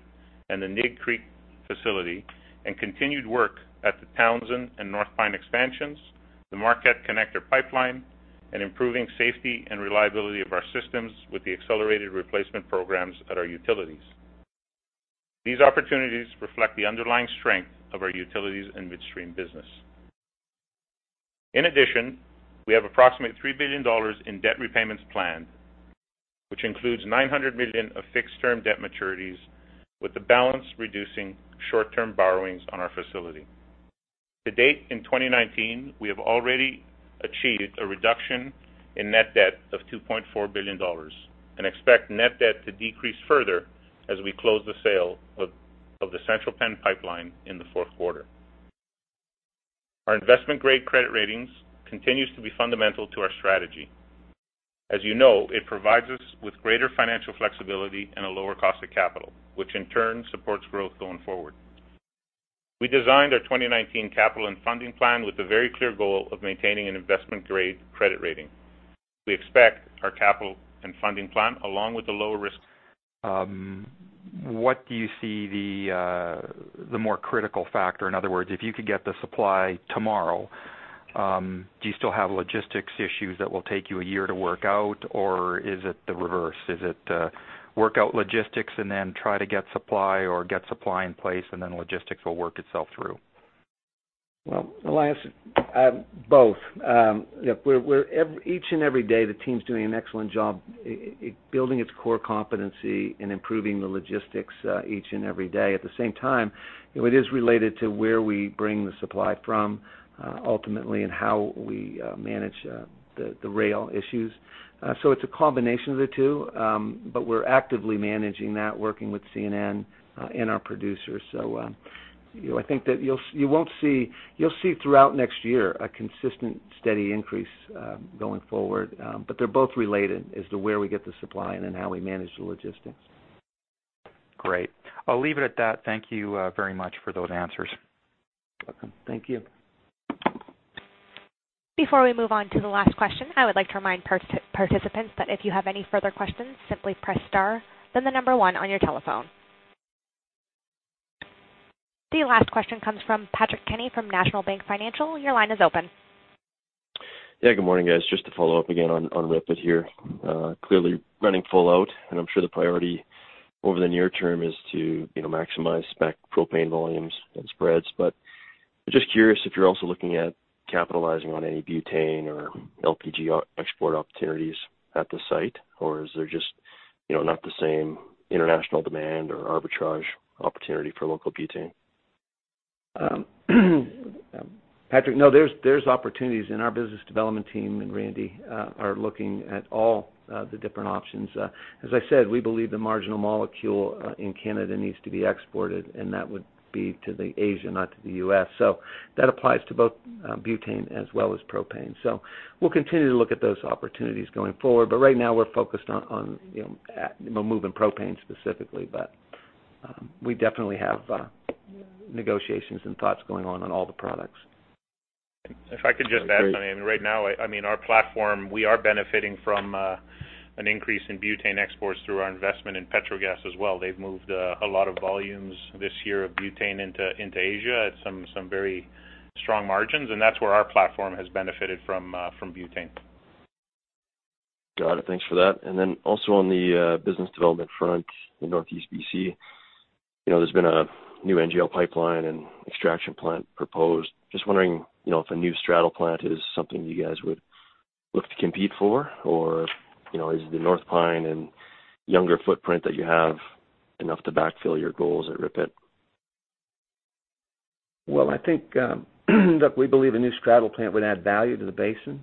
and the Nig Creek facility and continued work at the Townsend and North Pine expansions, the Marquette Connector Pipeline, and improving safety and reliability of our systems with the accelerated replacement programs at our utilities. These opportunities reflect the underlying strength of our utilities and midstream business. In addition, we have approximately 3 billion dollars in debt repayments planned, which includes 900 million of fixed-term debt maturities, with the balance reducing short-term borrowings on our facility. To date, in 2019, we have already achieved a reduction in net debt of 2.4 billion dollars and expect net debt to decrease further as we close the sale of the Central Penn Pipeline in the fourth quarter. Our investment-grade credit ratings continues to be fundamental to our strategy. As you know, it provides us with greater financial flexibility and a lower cost of capital, which in turn supports growth going forward. We designed our 2019 capital and funding plan with the very clear goal of maintaining an investment-grade credit rating. We expect our capital and funding plan, along with the low risk. What do you see the more critical factor? In other words, if you could get the supply tomorrow, do you still have logistics issues that will take you a year to work out, or is it the reverse? Is it work out logistics and then try to get supply or get supply in place and then logistics will work itself through? Well, Elias, both. Each and every day, the team's doing an excellent job building its core competency and improving the logistics each and every day. At the same time, it is related to where we bring the supply from ultimately and how we manage the rail issues. It's a combination of the two, but we're actively managing that, working with CN and our producers. I think that you'll see throughout next year a consistent, steady increase going forward. They're both related as to where we get the supply and then how we manage the logistics. Great. I'll leave it at that. Thank you very much for those answers. Welcome. Thank you. Before we move on to the last question, I would like to remind participants that if you have any further questions, simply press star, then the number one on your telephone. The last question comes from Patrick Kenny from National Bank Financial. Your line is open. Yeah. Good morning, guys. Just to follow up again on RIPET here. Clearly running full out, and I'm sure the priority over the near term is to maximize spec propane volumes and spreads. Just curious if you're also looking at capitalizing on any butane or LPG export opportunities at the site, or is there just not the same international demand or arbitrage opportunity for local butane? Patrick, no, there's opportunities, and our business development team and Randy are looking at all the different options. As I said, we believe the marginal molecule in Canada needs to be exported, and that would be to Asia, not to the U.S. that applies to both butane as well as propane. we'll continue to look at those opportunities going forward. right now, we're focused on moving propane specifically. we definitely have negotiations and thoughts going on all the products If I could just add something. Right now, our platform, we are benefiting from an increase in butane exports through our investment in Petrogas as well. They've moved a lot of volumes this year of butane into Asia at some very strong margins, and that's where our platform has benefited from butane. Got it. Thanks for that. Also on the business development front in Northeast BC, there's been a new NGL pipeline and extraction plant proposed. Just wondering if a new straddle plant is something you guys would look to compete for, or is the North Pine and Younger footprint that you have enough to backfill your goals at RIPET? Well, I think, look, we believe a new straddle plant would add value to the basin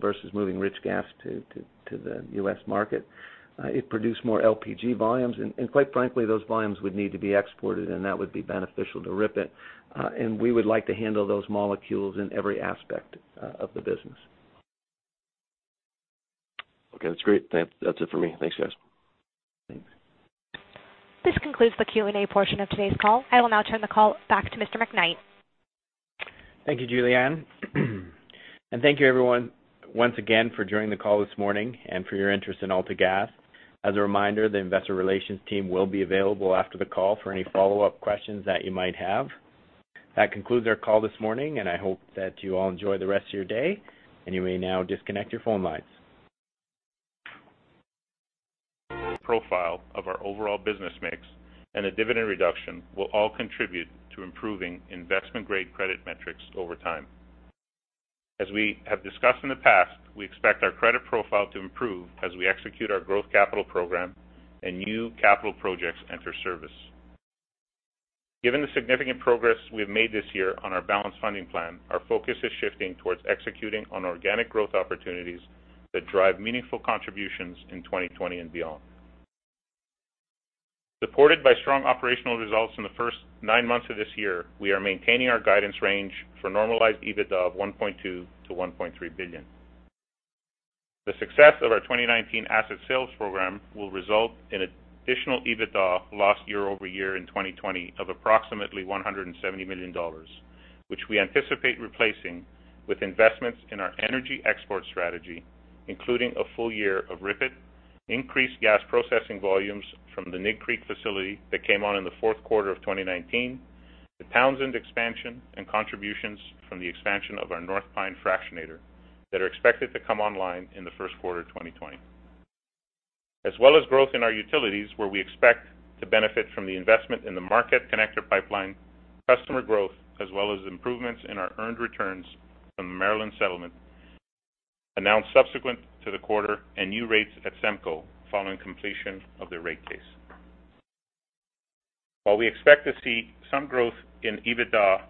versus moving rich gas to the U.S. market. It produced more LPG volumes, and quite frankly, those volumes would need to be exported, and that would be beneficial to RIPET. We would like to handle those molecules in every aspect of the business. Okay. That's great. That's it for me. Thanks, guys. Thanks. This concludes the Q&A portion of today's call. I will now turn the call back to Mr. McKnight. Thank you, Julianne. Thank you, everyone, once again for joining the call this morning and for your interest in AltaGas. As a reminder, the investor relations team will be available after the call for any follow-up questions that you might have. That concludes our call this morning, and I hope that you all enjoy the rest of your day, and you may now disconnect your phone lines. Profile of our overall business mix and a dividend reduction will all contribute to improving investment-grade credit metrics over time. As we have discussed in the past, we expect our credit profile to improve as we execute our growth capital program and new capital projects enter service. Given the significant progress we have made this year on our balanced funding plan, our focus is shifting toward executing on organic growth opportunities that drive meaningful contributions in 2020 and beyond. Supported by strong operational results in the first nine months of this year, we are maintaining our guidance range for normalized EBITDA of 1.2 billion-1.3 billion. The success of our 2019 asset sales program will result in additional EBITDA last year over year in 2020 of approximately 170 million dollars, which we anticipate replacing with investments in our energy export strategy, including a full year of RIPET, increased gas processing volumes from the Nig Creek facility that came on in the fourth quarter of 2019, the Townsend expansion and contributions from the expansion of our North Pine fractionator that are expected to come online in the first quarter of 2020. growth in our utilities, where we expect to benefit from the investment in the Marquette Connector pipeline, customer growth, as well as improvements in our earned returns from the Maryland settlement announced subsequent to the quarter and new rates at SEMCO following completion of their rate case. While we expect to see some growth in EBITDA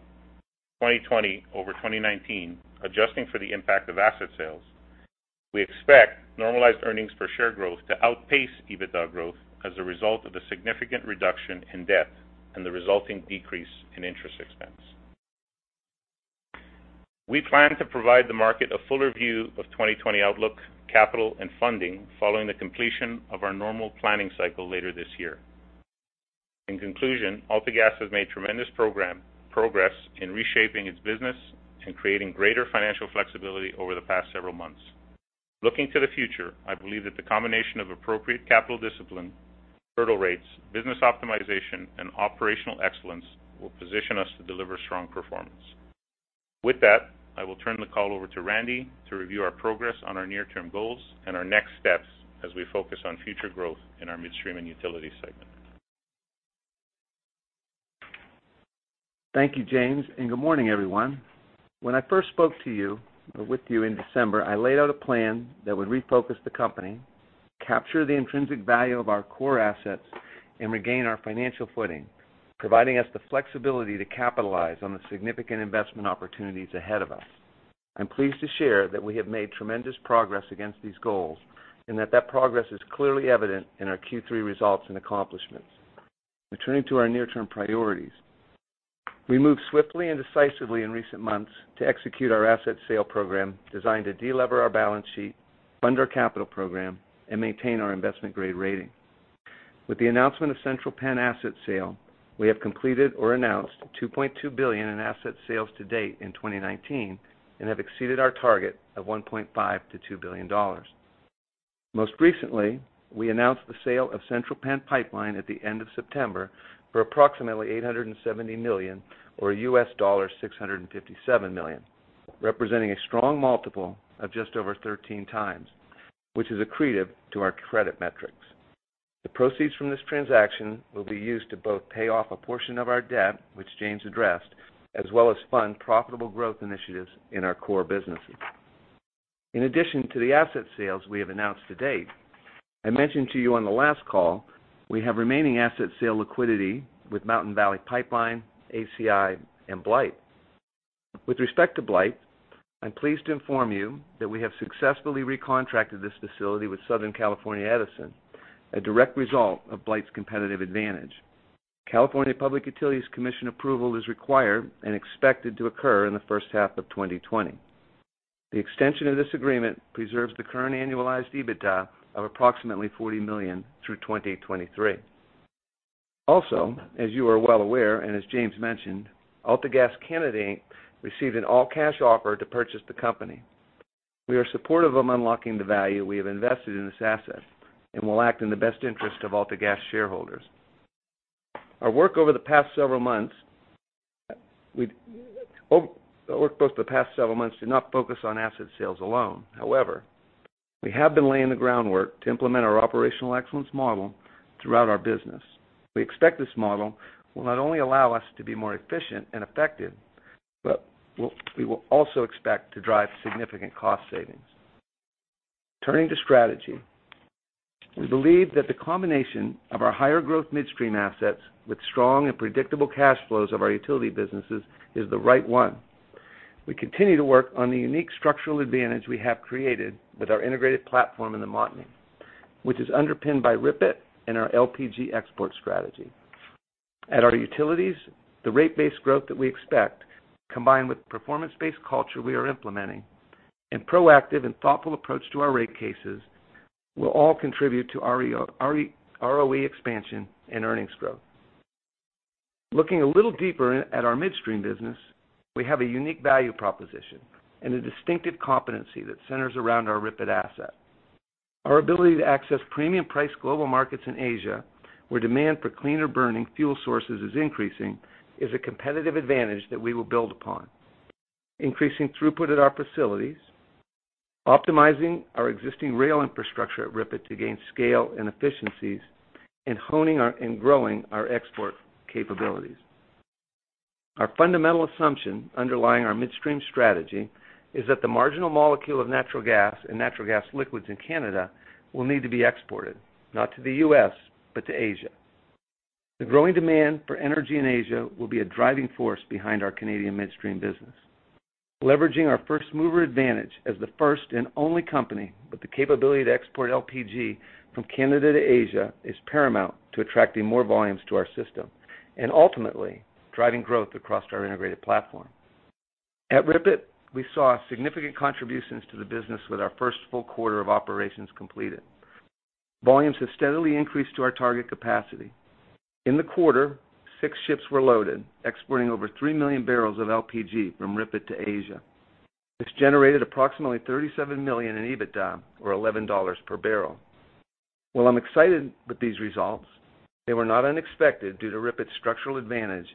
2020 over 2019, adjusting for the impact of asset sales, we expect normalized earnings per share growth to outpace EBITDA growth as a result of the significant reduction in debt and the resulting decrease in interest expense. We plan to provide the market a fuller view of 2020 outlook, capital, and funding following the completion of our normal planning cycle later this year. In conclusion, AltaGas has made tremendous progress in reshaping its business and creating greater financial flexibility over the past several months. Looking to the future, I believe that the combination of appropriate capital discipline, hurdle rates, business optimization, and operational excellence will position us to deliver strong performance. With that, I will turn the call over to Randy to review our progress on our near-term goals and our next steps as we focus on future growth in our midstream and utility segment. Thank you, James, and good morning, everyone. When I first spoke with you in December, I laid out a plan that would refocus the company, capture the intrinsic value of our core assets, and regain our financial footing, providing us the flexibility to capitalize on the significant investment opportunities ahead of us. I'm pleased to share that we have made tremendous progress against these goals and that progress is clearly evident in our Q3 results and accomplishments. Now, turning to our near-term priorities. We moved swiftly and decisively in recent months to execute our asset sale program designed to de-lever our balance sheet, fund our capital program, and maintain our investment-grade rating. With the announcement of Central Penn asset sale, we have completed or announced 2.2 billion in asset sales to date in 2019 and have exceeded our target of 1.5 billion-2 billion dollars. Most recently, we announced the sale of Central Penn Pipeline at the end of September for approximately 870 million or $657 million, representing a strong multiple of just over 13 times, which is accretive to our credit metrics. The proceeds from this transaction will be used to both pay off a portion of our debt, which James addressed, as well as fund profitable growth initiatives in our core businesses. In addition to the asset sales we have announced to date, I mentioned to you on the last call, we have remaining asset sale liquidity with Mountain Valley Pipeline, ACI, and Blythe. With respect to Blythe, I'm pleased to inform you that we have successfully recontracted this facility with Southern California Edison, a direct result of Blythe's competitive advantage. California Public Utilities Commission approval is required and expected to occur in the first half of 2020. The extension of this agreement preserves the current annualized EBITDA of approximately 40 million through 2023. Also, as you are well aware, and as James mentioned, AltaGas Canada Inc. received an all-cash offer to purchase the company. We are supportive of unlocking the value we have invested in this asset, and will act in the best interest of AltaGas shareholders. Our work over the past several months did not focus on asset sales alone. However, we have been laying the groundwork to implement our operational excellence model throughout our business. We expect this model will not only allow us to be more efficient and effective, but we will also expect to drive significant cost savings. Turning to strategy, we believe that the combination of our higher growth midstream assets with strong and predictable cash flows of our utility businesses is the right one. We continue to work on the unique structural advantage we have created with our integrated platform in the Montney, which is underpinned by RIPET and our LPG export strategy. At our utilities, the rate-based growth that we expect, combined with performance-based culture we are implementing, and proactive and thoughtful approach to our rate cases, will all contribute to ROE expansion and earnings growth. Looking a little deeper at our midstream business, we have a unique value proposition, and a distinctive competency that centers around our RIPET asset. Our ability to access premium-priced global markets in Asia, where demand for cleaner-burning fuel sources is increasing, is a competitive advantage that we will build upon. Increasing throughput at our facilities, optimizing our existing rail infrastructure at RIPET to gain scale and efficiencies, and honing and growing our export capabilities. Our fundamental assumption underlying our midstream strategy is that the marginal molecule of natural gas and natural gas liquids in Canada will need to be exported, not to the U.S., but to Asia. The growing demand for energy in Asia will be a driving force behind our Canadian midstream business. Leveraging our first-mover advantage as the first and only company with the capability to export LPG from Canada to Asia is paramount to attracting more volumes to our system, and ultimately, driving growth across our integrated platform. At RIPET, we saw significant contributions to the business with our first full quarter of operations completed. Volumes have steadily increased to our target capacity. In the quarter, six ships were loaded, exporting over 3 million barrels of LPG from RIPET to Asia. This generated approximately 37 million in EBITDA, or 11 dollars per barrel. While I'm excited with these results, they were not unexpected due to RIPET's structural advantage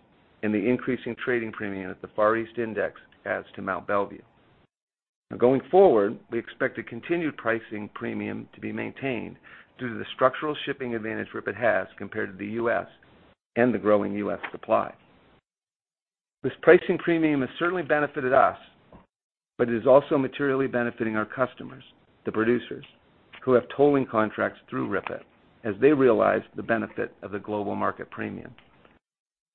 and the increasing trading premium that the Far East index adds to Mont Belvieu. Now, going forward, we expect a continued pricing premium to be maintained due to the structural shipping advantage RIPET has compared to the U.S., and the growing U.S. supply. This pricing premium has certainly benefited us, but it is also materially benefiting our customers, the producers, who have tolling contracts through RIPET, as they realize the benefit of the global market premium.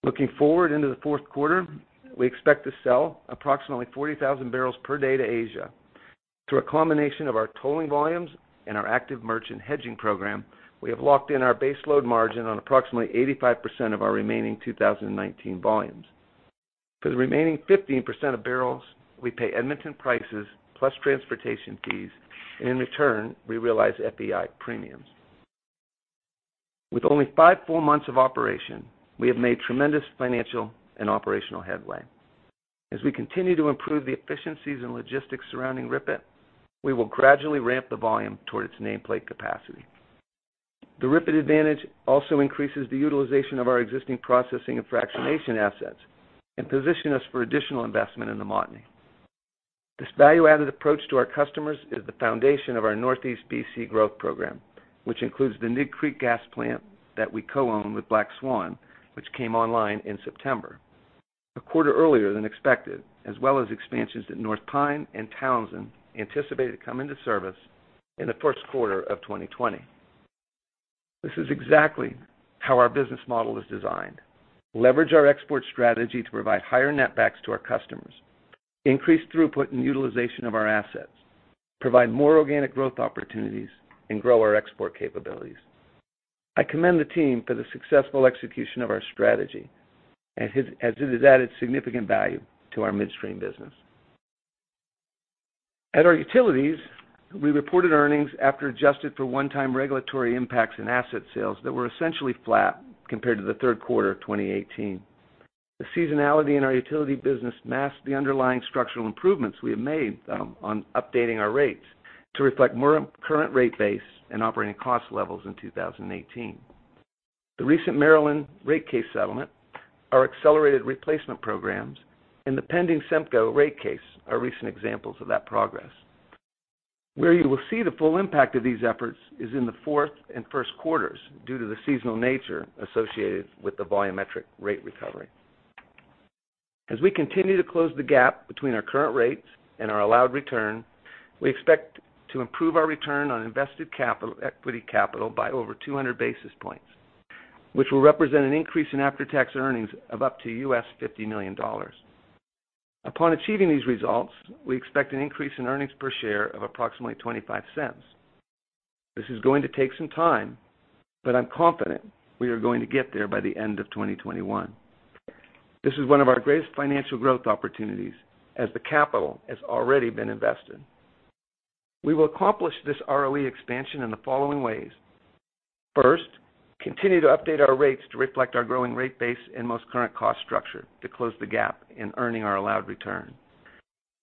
Looking forward into the fourth quarter, we expect to sell approximately 40,000 barrels per day to Asia. Through a combination of our tolling volumes and our active merchant hedging program, we have locked in our base load margin on approximately 85% of our remaining 2019 volumes. For the remaining 15% of barrels, we pay Edmonton prices plus transportation fees, and in return, we realize FEI premiums. With only five full months of operation, we have made tremendous financial and operational headway. As we continue to improve the efficiencies and logistics surrounding RIPET, we will gradually ramp the volume towards its nameplate capacity. The RIPET advantage also increases the utilization of our existing processing and fractionation assets and positions us for additional investment in the Montney. This value-added approach to our customers is the foundation of our Northeast BC growth program, which includes the Nig Creek gas plant that we co-own with Black Swan, which came online in September, a quarter earlier than expected, as well as expansions at North Pine and Townsend, anticipated to come into service in the first quarter of 2020. This is exactly how our business model was designed. Leverage our export strategy to provide higher netbacks to our customers, increase throughput and utilization of our assets, provide more organic growth opportunities, and grow our export capabilities. I commend the team for the successful execution of our strategy, as it has added significant value to our midstream business. At our utilities, we reported earnings after adjusted for one-time regulatory impacts and asset sales that were essentially flat compared to the third quarter of 2018. The seasonality in our utility business masks the underlying structural improvements we have made on updating our rates to reflect more current rate base and operating cost levels in 2018. The recent Maryland rate case settlement, our accelerated replacement programs, and the pending SEMCO rate case are recent examples of that progress. Where you will see the full impact of these efforts is in the fourth and first quarters due to the seasonal nature associated with the volumetric rate recovery. As we continue to close the gap between our current rates and our allowed return, we expect to improve our return on invested equity capital by over 200 basis points, which will represent an increase in after-tax earnings of up to $50 million. Upon achieving these results, we expect an increase in earnings per share of approximately $0.25. This is going to take some time, but I'm confident we are going to get there by the end of 2021. This is one of our greatest financial growth opportunities as the capital has already been invested. We will accomplish this ROE expansion in the following ways. First, continue to update our rates to reflect our growing rate base and most current cost structure to close the gap in earning our allowed return.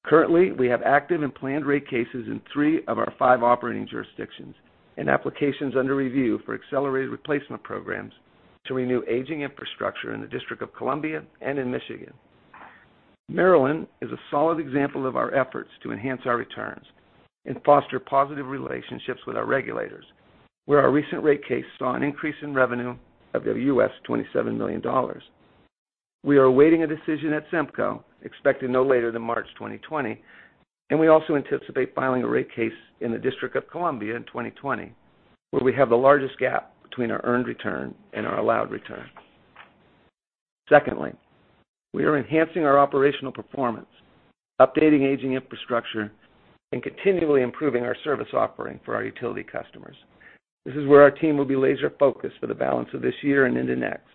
Currently, we have active and planned rate cases in three of our five operating jurisdictions, and applications under review for accelerated replacement programs to renew aging infrastructure in the District of Columbia and in Michigan. Maryland is a solid example of our efforts to enhance our returns and foster positive relationships with our regulators, where our recent rate case saw an increase in revenue of 27 million dollars. We are awaiting a decision at SEMCO, expected no later than March 2020, and we also anticipate filing a rate case in the District of Columbia in 2020, where we have the largest gap between our earned return and our allowed return. Secondly, we are enhancing our operational performance, updating aging infrastructure, and continually improving our service offering for our utility customers. This is where our team will be laser-focused for the balance of this year and into next.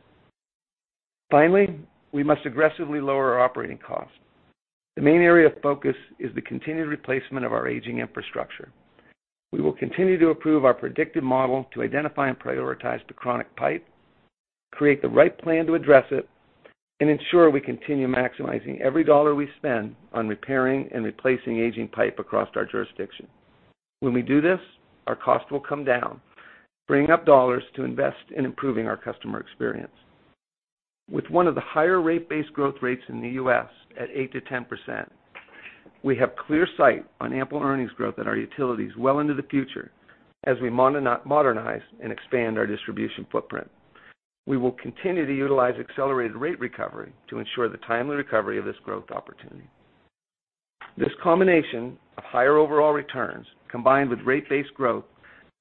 Finally, we must aggressively lower our operating costs. The main area of focus is the continued replacement of our aging infrastructure. We will continue to improve our predictive model to identify and prioritize the chronic pipe, create the right plan to address it, and ensure we continue maximizing every dollar we spend on repairing and replacing aging pipe across our jurisdiction. When we do this, our cost will come down, bringing up dollars to invest in improving our customer experience. With one of the higher rate-based growth rates in the U.S. at 8% to 10%, we have clear sight on ample earnings growth at our utilities well into the future as we modernize and expand our distribution footprint. We will continue to utilize accelerated rate recovery to ensure the timely recovery of this growth opportunity. This combination of higher overall returns combined with rate-based growth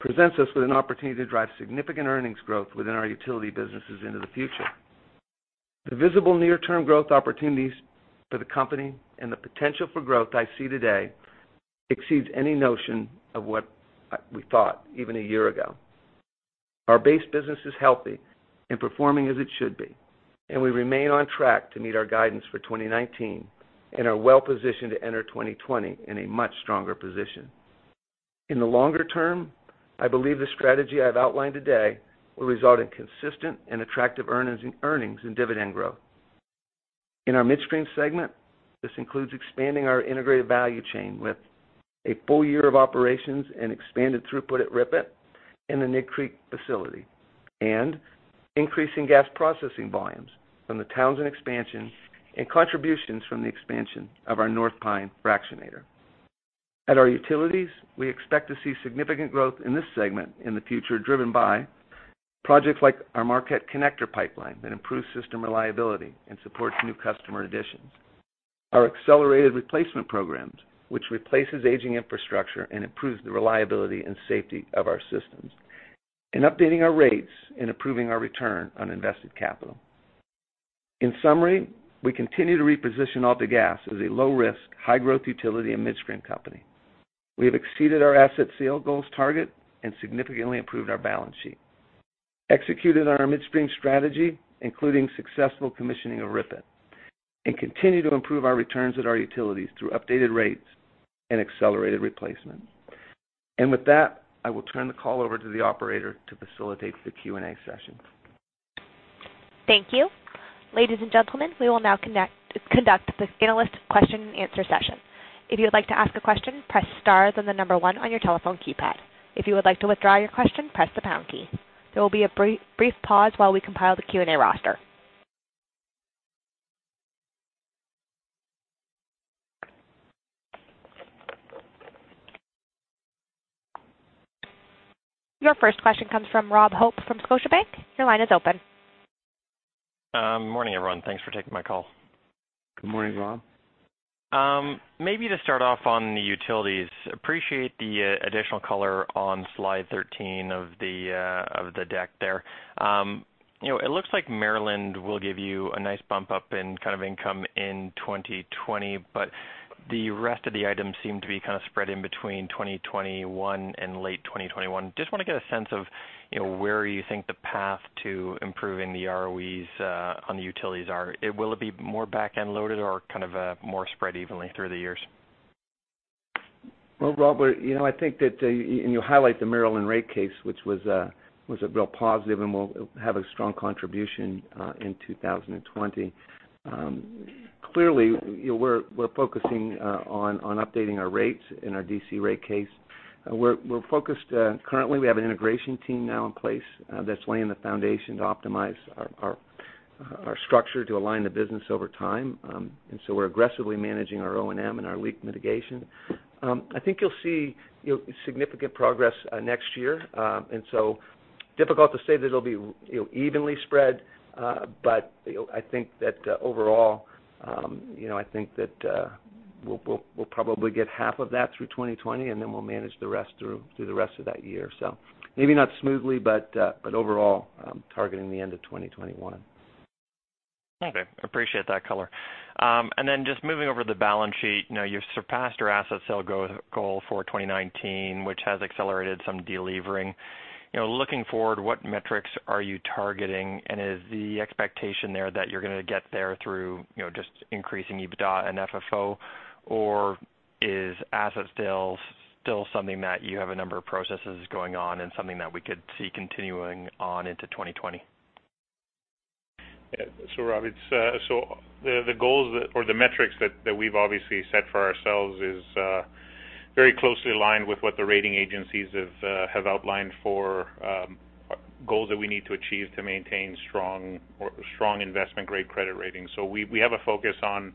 presents us with an opportunity to drive significant earnings growth within our utility businesses into the future. The visible near-term growth opportunities for the company and the potential for growth I see today exceeds any notion of what we thought even a year ago. Our base business is healthy and performing as it should be, and we remain on track to meet our guidance for 2019 and are well-positioned to enter 2020 in a much stronger position. In the longer term, I believe the strategy I've outlined today will result in consistent and attractive earnings and dividend growth. In our midstream segment, this includes expanding our integrated value chain with a full year of operations and expanded throughput at RIPET and the Nig Creek facility, and increasing gas processing volumes from the Townsend expansion and contributions from the expansion of our North Pine fractionator. At our utilities, we expect to see significant growth in this segment in the future, driven by projects like our Marquette Connector pipeline that improves system reliability and supports new customer additions, our accelerated replacement programs, which replaces aging infrastructure and improves the reliability and safety of our systems, and updating our rates and approving our return on invested capital. In summary, we continue to reposition AltaGas as a low-risk, high-growth utility and midstream company. We have exceeded our asset sale goals target and significantly improved our balance sheet, executed on our midstream strategy, including successful commissioning of RIPET, and continue to improve our returns at our utilities through updated rates and accelerated replacement. With that, I will turn the call over to the operator to facilitate the Q&A session. Thank you. Ladies and gentlemen, we will now conduct the analyst question and answer session. If you would like to ask a question, press star, then the number one on your telephone keypad. If you would like to withdraw your question, press the pound key. There will be a brief pause while we compile the Q&A roster. Your first question comes from Rob Hope from Scotiabank. Your line is open. Morning, everyone. Thanks for taking my call. Good morning, Rob. Maybe to start off on the utilities, appreciate the additional color on slide 13 of the deck there. It looks like Maryland will give you a nice bump up in kind of income in 2020, but the rest of the items seem to be kind of spread in between 2021 and late 2021. Just want to get a sense of where you think the path to improving the ROEs on the utilities are. Will it be more back-end loaded or kind of more spread evenly through the years? Well, Rob, I think that you highlight the Maryland rate case, which was a real positive and will have a strong contribution in 2020. Clearly, we're focusing on updating our rates in our D.C. rate case. We're focused. Currently, we have an integration team now in place that's laying the foundation to optimize our structure to align the business over time. We're aggressively managing our O&M and our leak mitigation. I think you'll see significant progress next year. Difficult to say that it'll be evenly spread. I think that overall, I think that we'll probably get half of that through 2020, and then we'll manage the rest through the rest of that year. Maybe not smoothly, but overall, targeting the end of 2021. Okay. Appreciate that color. Then just moving over to the balance sheet. You've surpassed your asset sale goal for 2019, which has accelerated some de-levering. Looking forward, what metrics are you targeting? Is the expectation there that you're going to get there through just increasing EBITDA and FFO? Is asset sales still something that you have a number of processes going on and something that we could see continuing on into 2020? Yeah. Rob, the goals or the metrics that we've obviously set for ourselves is very closely aligned with what the rating agencies have outlined for goals that we need to achieve to maintain strong investment-grade credit rating. We have a focus on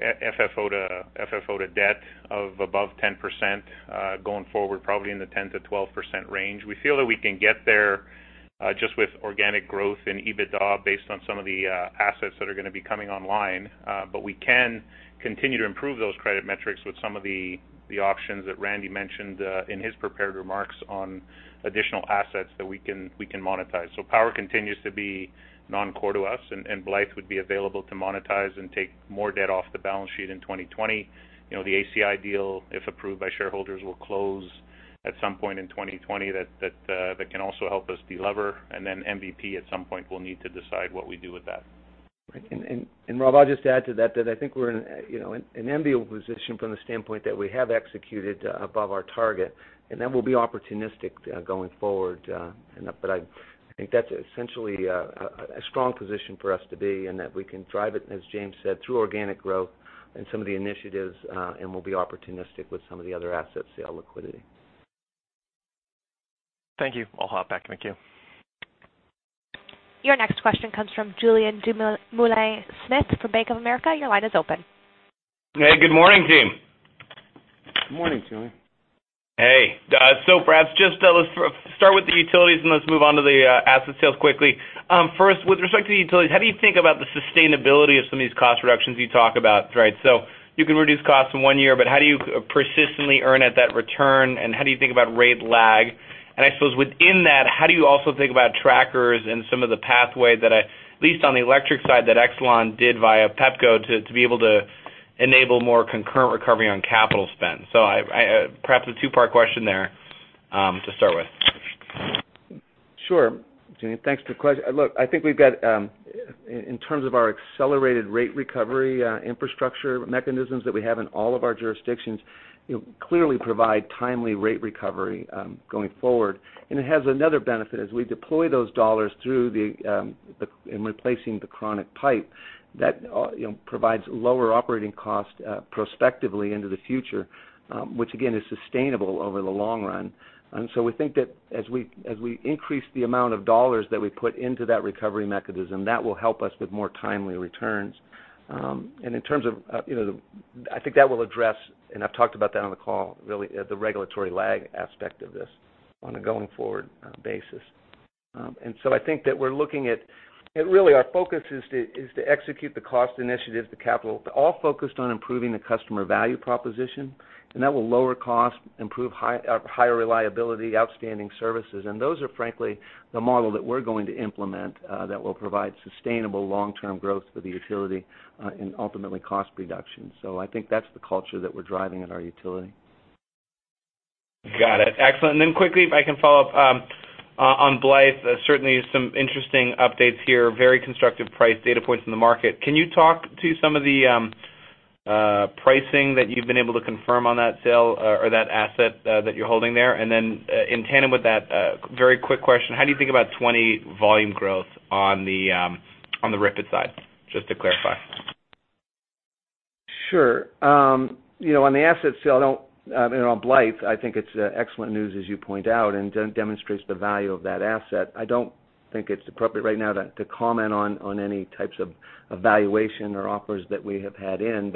FFO to debt of above 10%, going forward, probably in the 10% to 12% range. We feel that we can get there, just with organic growth in EBITDA based on some of the assets that are going to be coming online. We can continue to improve those credit metrics with some of the options that Randy mentioned in his prepared remarks on additional assets that we can monetize. Power continues to be non-core to us, and Blythe would be available to monetize and take more debt off the balance sheet in 2020. The ACI deal, if approved by shareholders, will close at some point in 2020. That can also help us delever. MVP, at some point, we'll need to decide what we do with that. Right. Rob, I'll just add to that I think we're in an enviable position from the standpoint that we have executed above our target, and that we'll be opportunistic going forward. I think that's essentially a strong position for us to be in, that we can drive it, as James said, through organic growth and some of the initiatives, and we'll be opportunistic with some of the other asset sale liquidity. Thank you. I'll hop back. Thank you. Your next question comes from Julien Dumoulin-Smith from Bank of America. Your line is open. Hey, good morning, team. Good morning, Julien. Hey. Perhaps just let's start with the utilities, and let's move on to the asset sales quickly. First, with respect to the utilities, how do you think about the sustainability of some of these cost reductions you talk about? You can reduce costs in one year, but how do you persistently earn at that return, and how do you think about rate lag? I suppose within that, how do you also think about trackers and some of the pathway that, at least on the electric side, that Exelon did via Pepco to be able to enable more concurrent recovery on capital spend? Perhaps a two-part question there to start with. Sure. Julien, thanks for the question. Look, I think we've got, in terms of our accelerated rate recovery infrastructure mechanisms that we have in all of our jurisdictions, clearly provide timely rate recovery going forward. It has another benefit: as we deploy those dollars through in replacing the chronic pipe, that provides lower operating cost prospectively into the future. Which again, is sustainable over the long run. We think that as we increase the amount of dollars that we put into that recovery mechanism, that will help us with more timely returns. I think that will address, and I've talked about that on the call really, the regulatory lag aspect of this on a going-forward basis. We think that we're looking at really, our focus is to execute the cost initiatives, the capital, all focused on improving the customer value proposition. That will lower cost, improve higher reliability, outstanding services. Those are, frankly, the model that we're going to implement that will provide sustainable long-term growth for the utility, and ultimately cost reduction. I think that's the culture that we're driving at our utility. Got it. Excellent. Quickly, if I can follow up on Blythe. Certainly, some interesting updates here. Very constructive price data points in the market. Can you talk to some of the pricing that you've been able to confirm on that sale or that asset that you're holding there? In tandem with that, very quick question, how do you think about '20 volume growth on the RIPET side? Just to clarify. Sure. On the asset sale on Blythe, I think it's excellent news, as you point out, and demonstrates the value of that asset. I don't think it's appropriate right now to comment on any types of valuation or offers that we have had in.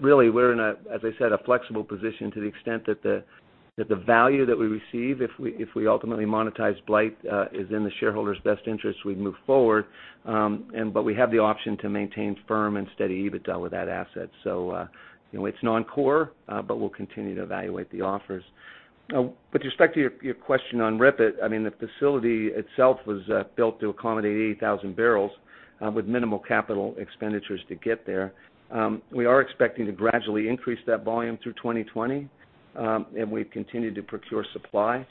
Really, we're in a, as I said, a flexible position to the extent that the value that we receive if we ultimately monetize Blythe is in the shareholders' best interest, we move forward. We have the option to maintain firm and steady EBITDA with that asset. It's non-core, but we'll continue to evaluate the offers. With respect to your question on RIPET, the facility itself was built to accommodate 80,000 barrels with minimal capital expenditures to get there. We are expecting to gradually increase that volume through 2020, and we've continued to procure supply.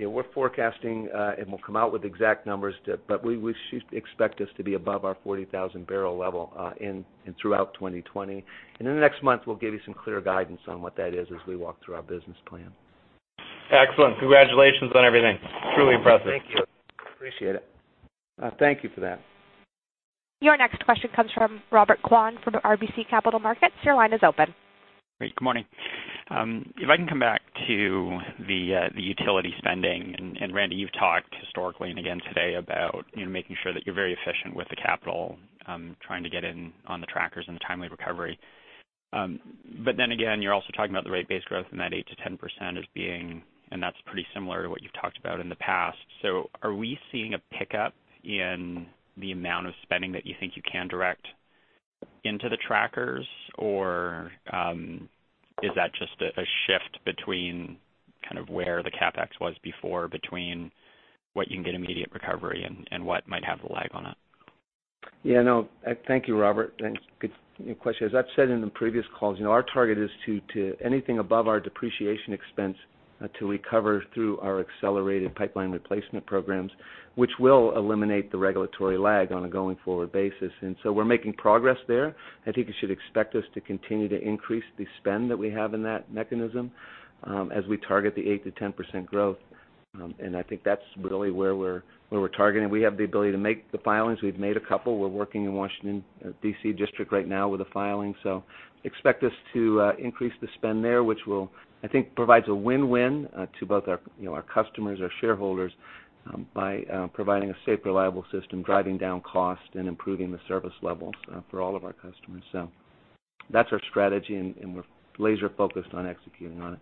we're forecasting, and we'll come out with exact numbers, but we should expect this to be above our 40,000-barrel level in and throughout 2020. In the next month, we'll give you some clear guidance on what that is as we walk through our business plan. Excellent. Congratulations on everything. Truly impressive. Thank you. Appreciate it. Thank you for that. Your next question comes from Robert Kwan from RBC Capital Markets. Your line is open. Great. Good morning. If I can come back to the utility spending, and Randy, you've talked historically and again today about making sure that you're very efficient with the capital, trying to get in on the trackers and the timely recovery. again, you're also talking about the rate base growth and that 8%-10% as being, and that's pretty similar to what you've talked about in the past. are we seeing a pickup in the amount of spending that you think you can direct into the trackers? is that just a shift between kind of where the CapEx was before, between what you can get immediate recovery and what might have the lag on it? Yeah, no. Thank you, Robert. Good question. As I've said in the previous calls, our target is to anything above our depreciation expense to recover through our accelerated pipeline replacement programs, which will eliminate the regulatory lag on a going-forward basis. We're making progress there. I think you should expect us to continue to increase the spend that we have in that mechanism as we target the 8%-10% growth. I think that's really where we're targeting. We have the ability to make the filings. We've made a couple. We're working in Washington D.C. District right now with a filing. Expect us to increase the spend there, which will, I think, provides a win-win to both our customers, our shareholders by providing a safe, reliable system, driving down cost, and improving the service levels for all of our customers. That's our strategy, and we're laser-focused on executing on it.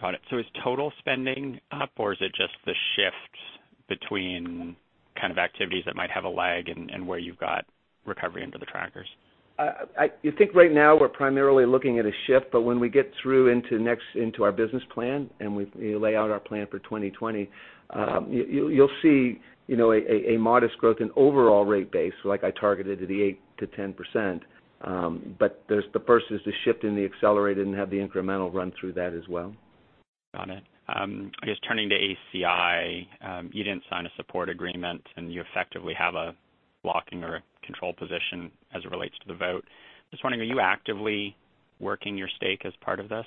Got it. is total spending up, or is it just the shift between kind of activities that might have a lag and where you've got recovery under the trackers? I think right now we're primarily looking at a shift, but when we get through into our business plan and we lay out our plan for 2020, you'll see a modest growth in overall rate base, like I targeted at the 8%-10%. there's the first is the shift in the accelerated and have the incremental run through that as well. Got it. I guess turning to ACI, you didn't sign a support agreement, and you effectively have a blocking or a control position as it relates to the vote. Just wondering, are you actively working your stake as part of this?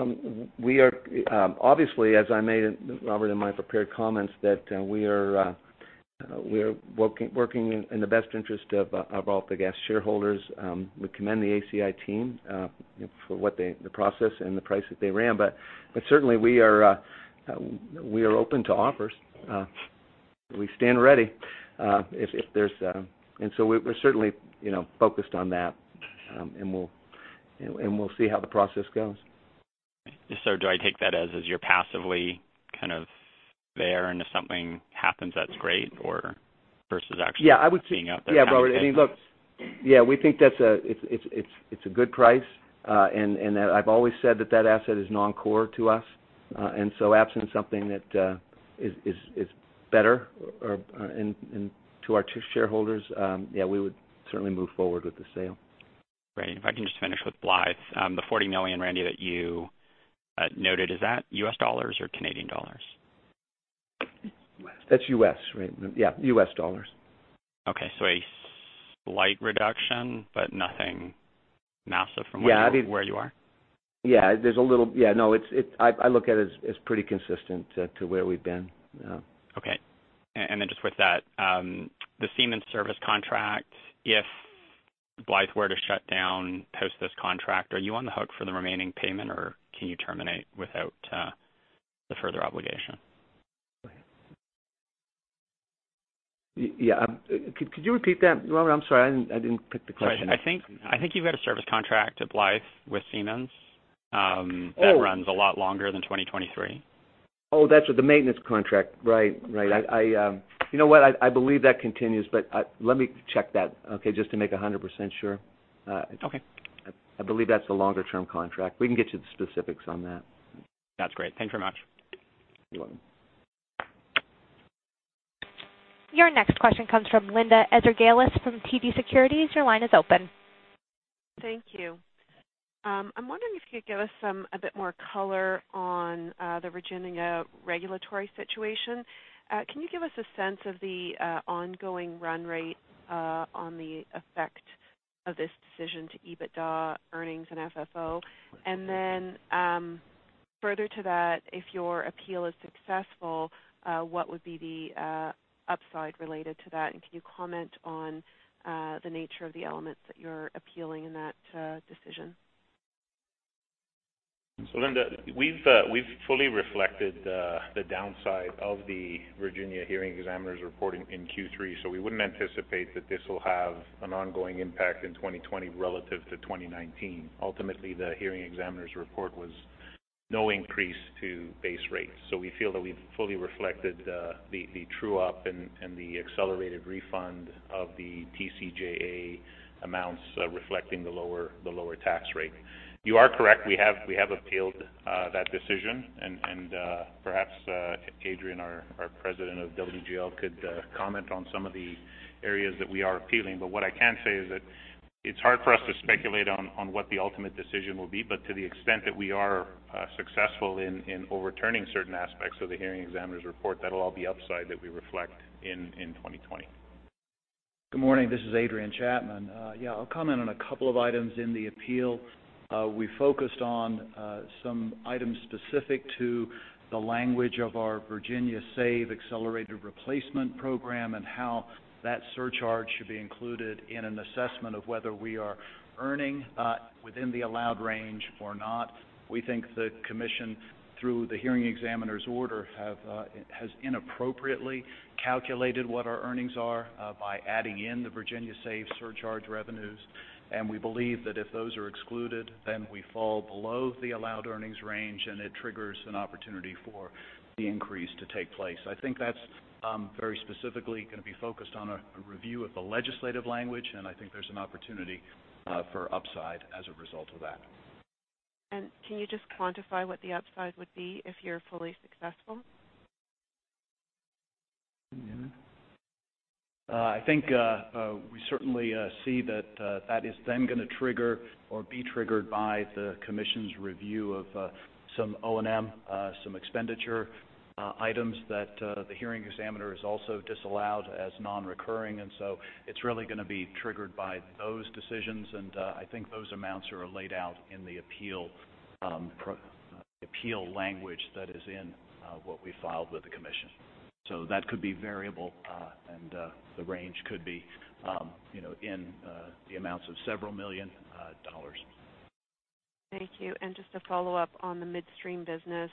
Obviously, as I made in Robert and my prepared comments, that we are working in the best interest of AltaGas shareholders. We commend the ACI team for the process and the price that they ran. Certainly, we are open to offers. We stand ready. We're certainly focused on that. We'll see how the process goes. Do I take that as you're passively kind of there, and if something happens, that's great, or versus actually? Yeah, I would say- being out there trying to get Yeah, Robert. I mean, look. Yeah, we think it's a good price, and that I've always said that asset is non-core to us. Absent something that is better to our shareholders, yeah, we would certainly move forward with the sale. Right. If I can just finish with Blythe. The $40 million, Randy, that you noted, is that US dollars or Canadian dollars? That's U.S., right? Yeah, U.S. dollars. Okay. A slight reduction, but nothing massive from- Yeah, I mean- where you are? Yeah, there's a little. No, I look at it as pretty consistent to where we've been. Yeah. Okay. just with that, the Siemens service contract, if Blythe were to shut down post this contract, are you on the hook for the remaining payment, or can you terminate without the further obligation? Yeah. Could you repeat that, Robert? I'm sorry. I didn't pick the question up. Sorry. I think you've got a service contract at Blythe with Siemens- Oh that runs a lot longer than 2023. Oh, that's with the maintenance contract. Right. You know what? I believe that continues, but let me check that, okay? Just to make 100% sure. Okay. I believe that's the longer-term contract. We can get you the specifics on that. That's great. Thank you very much. You're welcome. Your next question comes from Linda Ezergailis from TD Securities. Your line is open. Thank you. I'm wondering if you could give us a bit more color on the Virginia regulatory situation. Can you give us a sense of the ongoing run rate on the effect of this decision to EBITDA earnings and FFO? Further to that, if your appeal is successful, what would be the upside related to that? Can you comment on the nature of the elements that you're appealing in that decision? Linda, we've fully reflected the downside of the Virginia hearing examiner's report in Q3, so we wouldn't anticipate that this will have an ongoing impact in 2020 relative to 2019. Ultimately, the hearing examiner's report was no increase to base rates. We feel that we've fully reflected the true-up and the accelerated refund of the TCJA amounts reflecting the lower tax rate. You are correct. We have appealed that decision. Perhaps Adrian, our President of WGL, could comment on some of the areas that we are appealing. What I can say is that it's hard for us to speculate on what the ultimate decision will be. To the extent that we are successful in overturning certain aspects of the hearing examiner's report, that'll all be upside that we reflect in 2020. Good morning. This is Adrian Chapman. Yeah, I'll comment on a couple of items in the appeal. We focused on some items specific to the language of our Virginia SAVE accelerated replacement program and how that surcharge should be included in an assessment of whether we are earning within the allowed range or not. We think the commission, through the hearing examiner's order, has inappropriately calculated what our earnings are by adding in the Virginia SAVE surcharge revenues. We believe that if those are excluded, then we fall below the allowed earnings range, and it triggers an opportunity for the increase to take place. I think that's very specifically going to be focused on a review of the legislative language, and I think there's an opportunity for upside as a result of that. Can you just quantify what the upside would be if you're fully successful? I think we certainly see that is then going to trigger or be triggered by the commission's review of some O&M, some expenditure items that the hearing examiner has also disallowed as non-recurring. It's really going to be triggered by those decisions. I think those amounts are laid out in the appeal language that is in what we filed with the commission. That could be variable, and the range could be in the amounts of several million dollars. Thank you. Just to follow up on the midstream business.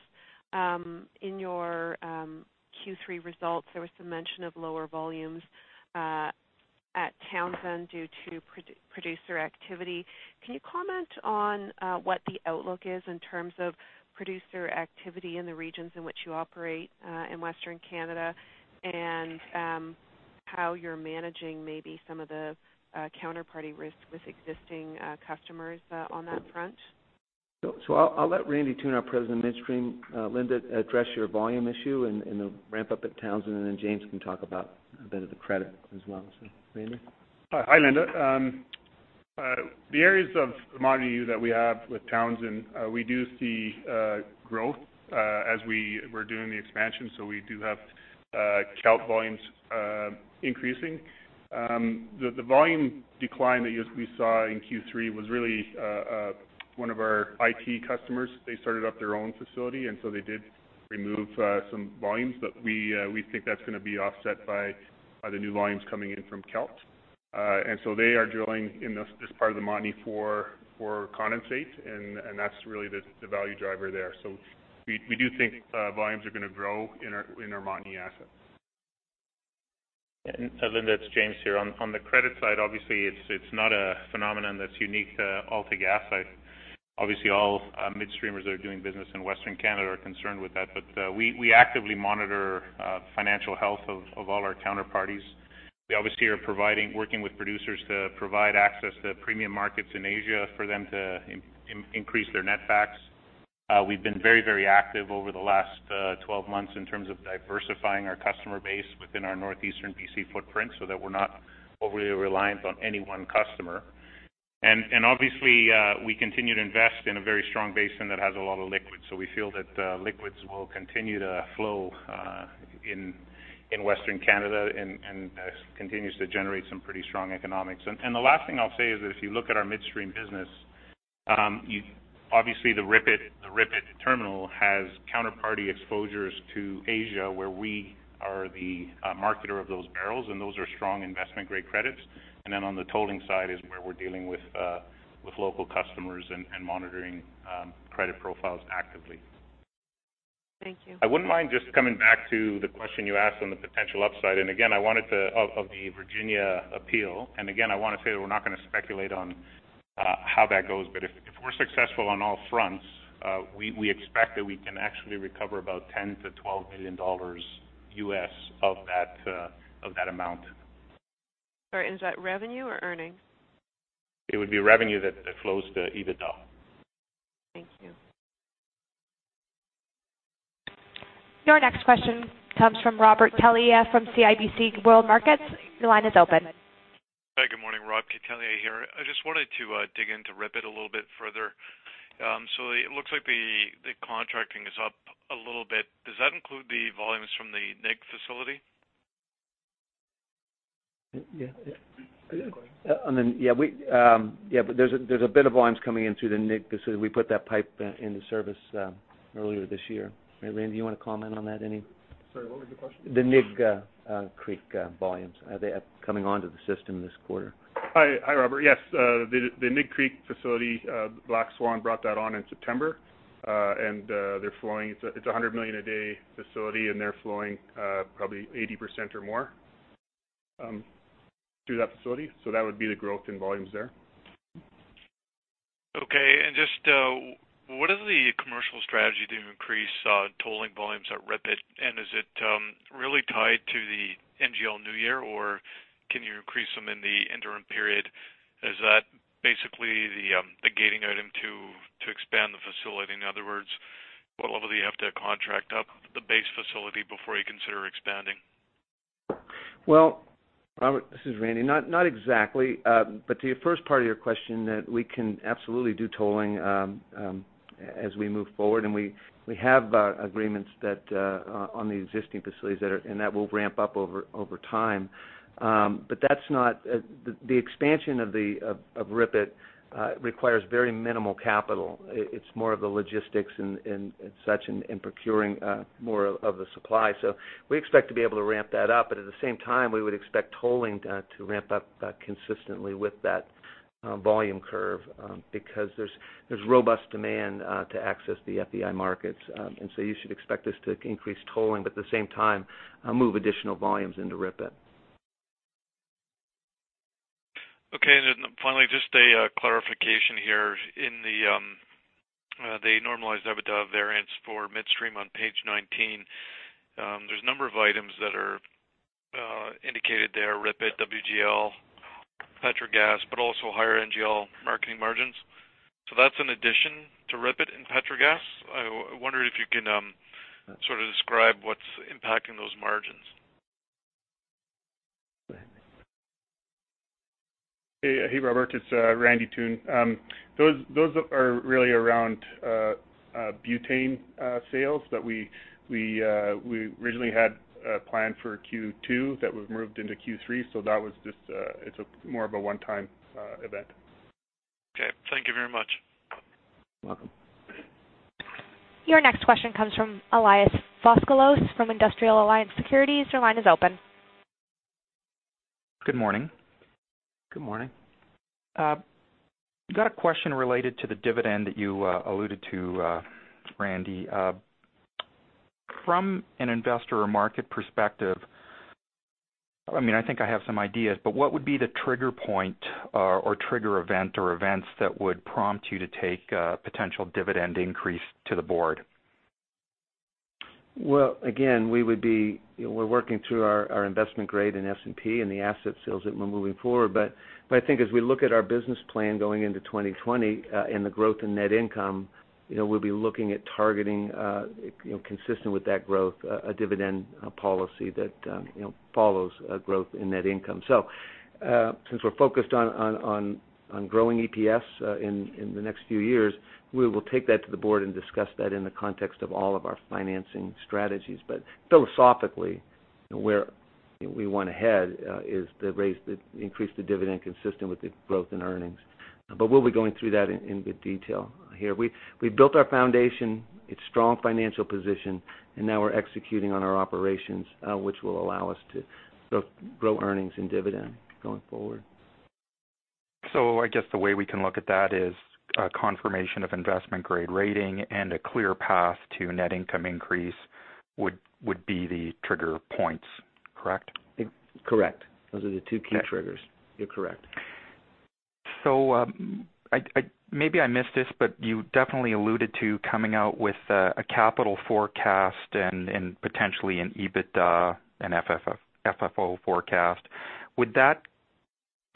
In your Q3 results, there was some mention of lower volumes at Townsend due to producer activity. Can you comment on what the outlook is in terms of producer activity in the regions in which you operate in Western Canada and how you're managing maybe some of the counterparty risks with existing customers on that front? I'll let Randy Toone, our President of Midstream, Linda, address your volume issue and the ramp-up at Townsend, and then James can talk about a bit of the credit as well. Randy? Hi, Linda. The areas of Montney that we have with Townsend, we do see growth as we're doing the expansion. We do have Townsend volumes increasing. The volume decline that we saw in Q3 was really one of our IT customers. They started up their own facility, and so they did remove some volumes. We think that's going to be offset by the new volumes coming in from Townsend. They are drilling in this part of the Montney for condensate, and that's really the value driver there. We do think volumes are going to grow in our Montney asset. Linda, it's James here. On the credit side, obviously it's not a phenomenon that's unique to AltaGas side. Obviously, all midstreamers that are doing business in Western Canada are concerned with that. We actively monitor financial health of all our counterparties. We obviously are working with producers to provide access to premium markets in Asia for them to increase their netbacks. We've been very active over the last 12 months in terms of diversifying our customer base within our northeastern BC footprint so that we're not overly reliant on any one customer. Obviously, we continue to invest in a very strong basin that has a lot of liquids. We feel that liquids will continue to flow in Western Canada and continues to generate some pretty strong economics. The last thing I'll say is that if you look at our midstream business, obviously the RIPET terminal has counterparty exposures to Asia, where we are the marketer of those barrels, and those are strong investment-grade credits. On the tolling side is where we're dealing with local customers and monitoring credit profiles actively. Thank you. I wouldn't mind just coming back to the question you asked on the potential upside of the Virginia appeal. Again, I want to say that we're not going to speculate on how that goes. If we're successful on all fronts, we expect that we can actually recover about $10-$12 million U.S. of that amount. Sorry, is that revenue or earnings? It would be revenue that flows to EBITDA. Thank you. Your next question comes from Robert Catellier from CIBC World Markets. Your line is open. Hi, good morning. Rob Tellier here. I just wanted to dig into RIPET a little bit further. It looks like the contracting is up a little bit. Does that include the volumes from the Nig facility? Yeah. There's a bit of volumes coming into the Nig. We put that pipe into service earlier this year. Randy, you want to comment on that any? Sorry, what was the question? The Nig Creek volumes, are they coming onto the system this quarter? Hi, Robert. Yes. The Nig Creek facility, Black Swan brought that on in September, and they're flowing. It's a 100 million a day facility, and they're flowing probably 80% or more through that facility. That would be the growth in volumes there. Okay. Just what is the commercial strategy to increase tolling volumes at RIPET? Is it really tied to the NGL new year, or can you increase them in the interim period? Is that basically the gating item to expand the facility? In other words, what level do you have to contract up the base facility before you consider expanding? Well, Robert, this is Randy. Not exactly. To your first part of your question that we can absolutely do tolling as we move forward, and we have agreements on the existing facilities, and that will ramp up over time. The expansion of RIPET requires very minimal capital. It's more of the logistics and such and procuring more of the supply. We expect to be able to ramp that up. At the same time, we would expect tolling to ramp up consistently with that volume curve because there's robust demand to access the FEI markets. You should expect us to increase tolling, but at the same time, move additional volumes into RIPET. Okay. Finally, just a clarification here. In the normalized EBITDA variance for midstream on page 19, there's a number of items that are indicated there, RIPET, WGL, Petrogas, but also higher NGL marketing margins. That's an addition to RIPET and Petrogas. I wonder if you can describe what's impacting those margins. Hey, Robert, it's Randy Toone. Those are really around butane sales that we originally had planned for Q2 that was moved into Q3. That was just more of a one-time event. Okay. Thank you very much. You're welcome. Your next question comes from Elias Foscolos from Industrial Alliance Securities. Your line is open. Good morning. Good morning. Got a question related to the dividend that you alluded to, Randy. From an investor or market perspective, I think I have some ideas. What would be the trigger point or trigger event or events that would prompt you to take a potential dividend increase to the board? Well, again, we're working through our investment grade in S&P and the asset sales that we're moving forward. I think as we look at our business plan going into 2020 and the growth in net income, we'll be looking at targeting, consistent with that growth, a dividend policy that follows growth in net income. Since we're focused on growing EPS in the next few years, we will take that to the board and discuss that in the context of all of our financing strategies. Philosophically, where we want to head is to increase the dividend consistent with the growth in earnings. We'll be going through that in good detail here. We built our foundation, its strong financial position, and now we're executing on our operations, which will allow us to grow earnings and dividend going forward. I guess the way we can look at that is a confirmation of investment-grade rating and a clear path to net income increase would be the trigger points, correct? Correct. Those are the two key triggers. You're correct. Maybe I missed this, but you definitely alluded to coming out with a capital forecast and potentially an EBITDA and FFO forecast. Would that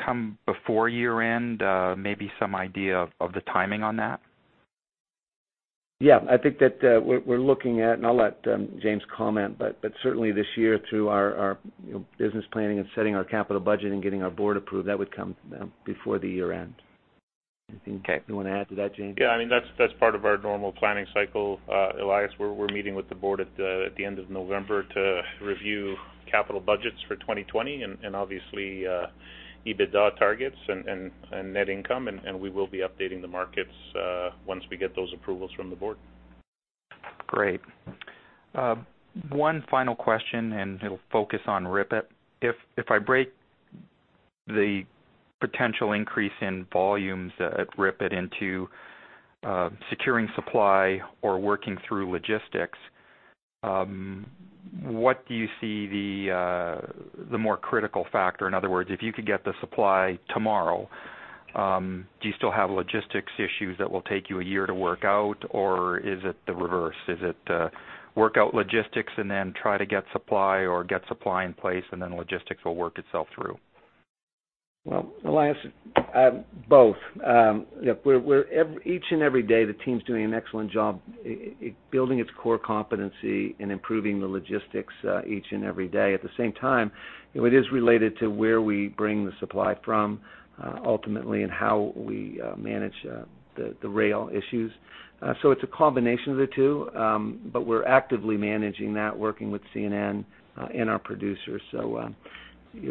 come before year-end? Maybe some idea of the timing on that? Yeah, I think that we're looking at, and I'll let James comment, but certainly this year through our business planning and setting our capital budget and getting our board approved, that would come before the year-end. Anything you want to add to that, James? Yeah, that's part of our normal planning cycle, Elias. We're meeting with the board at the end of November to review capital budgets for 2020 and obviously EBITDA targets and net income, and we will be updating the markets once we get those approvals from the board. Great. One final question, and it'll focus on RIPET. If I break the potential increase in volumes at RIPET into securing supply or working through logistics, what do you see the more critical factor? In other words, if you could get the supply tomorrow, do you still have logistics issues that will take you a year to work out, or is it the reverse? Is it work out logistics and then try to get supply or get supply in place and then logistics will work itself through? Well, Elias, both. Each and every day, the team's doing an excellent job building its core competency and improving the logistics each and every day. At the same time, it is related to where we bring the supply from, ultimately, and how we manage the rail issues. It's a combination of the two, but we're actively managing that, working with CN and our producers.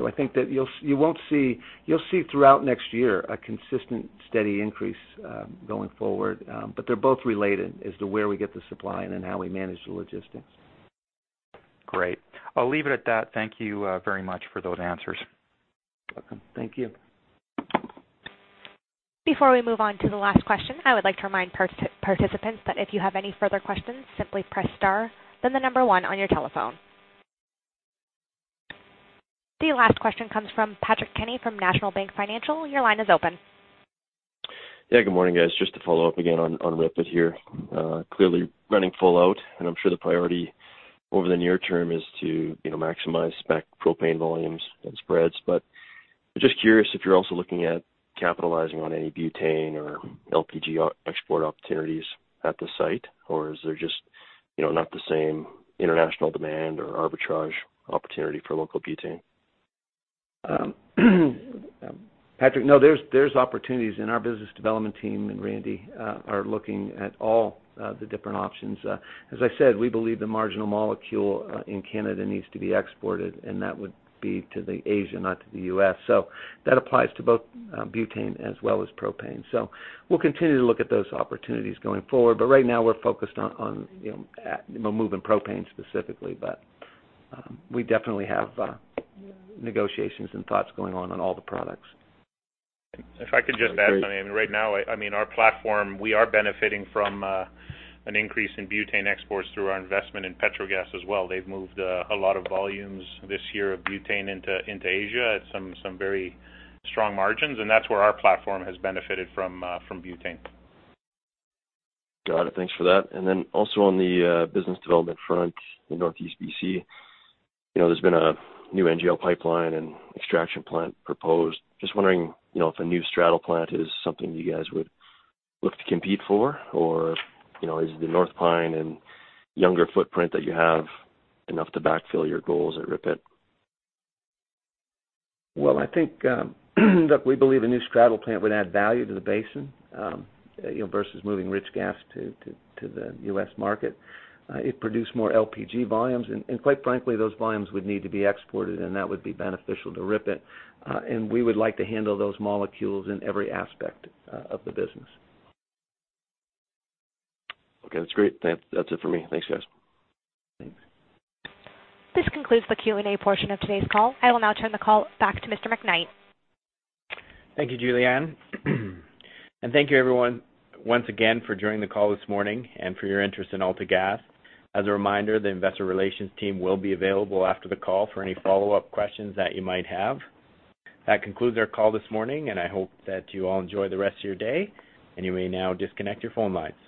I think that you'll see throughout next year a consistent, steady increase going forward. They're both related as to where we get the supply and then how we manage the logistics. Great. I'll leave it at that. Thank you very much for those answers. You're welcome. Thank you. Before we move on to the last question, I would like to remind participants that if you have any further questions, simply press star, then the number one on your telephone. The last question comes from Patrick Kenny from National Bank Financial. Your line is open. Yeah, good morning, guys. Just to follow up again on RIPET here. Clearly running full out, and I'm sure the priority over the near term is to maximize spec propane volumes and spreads. Just curious if you're also looking at capitalizing on any butane or LPG export opportunities at the site, or is there just not the same international demand or arbitrage opportunity for local butane? Patrick, no, there's opportunities, and our business development team and Randy are looking at all the different options. As I said, we believe the marginal molecule in Canada needs to be exported, and that would be to the Asia, not to the U.S. that applies to both butane as well as propane. we'll continue to look at those opportunities going forward. right now, we're focused on moving propane specifically. we definitely have negotiations and thoughts going on on all the products. If I could just add something. Right now, our platform, we are benefiting from an increase in butane exports through our investment in Petrogas as well. They've moved a lot of volumes this year of butane into Asia at some very strong margins, and that's where our platform has benefited from butane. Got it. Thanks for that. Also on the business development front in Northeast BC, there's been a new NGL pipeline and extraction plant proposed. Just wondering if a new straddle plant is something you guys would look to compete for, or is the North Pine and younger footprint that you have enough to backfill your goals at RIPET? Well, I think, look, we believe a new straddle plant would add value to the basin versus moving rich gas to the U.S. market. It produced more LPG volumes, and quite frankly, those volumes would need to be exported, and that would be beneficial to RIPET. We would like to handle those molecules in every aspect of the business. Okay, that's great. That's it for me. Thanks, guys. Thanks. This concludes the Q&A portion of today's call. I will now turn the call back to Mr. McKnight. Thank you, Julianne. Thank you, everyone, once again for joining the call this morning and for your interest in AltaGas. As a reminder, the investor relations team will be available after the call for any follow-up questions that you might have. That concludes our call this morning, and I hope that you all enjoy the rest of your day. You may now disconnect your phone lines.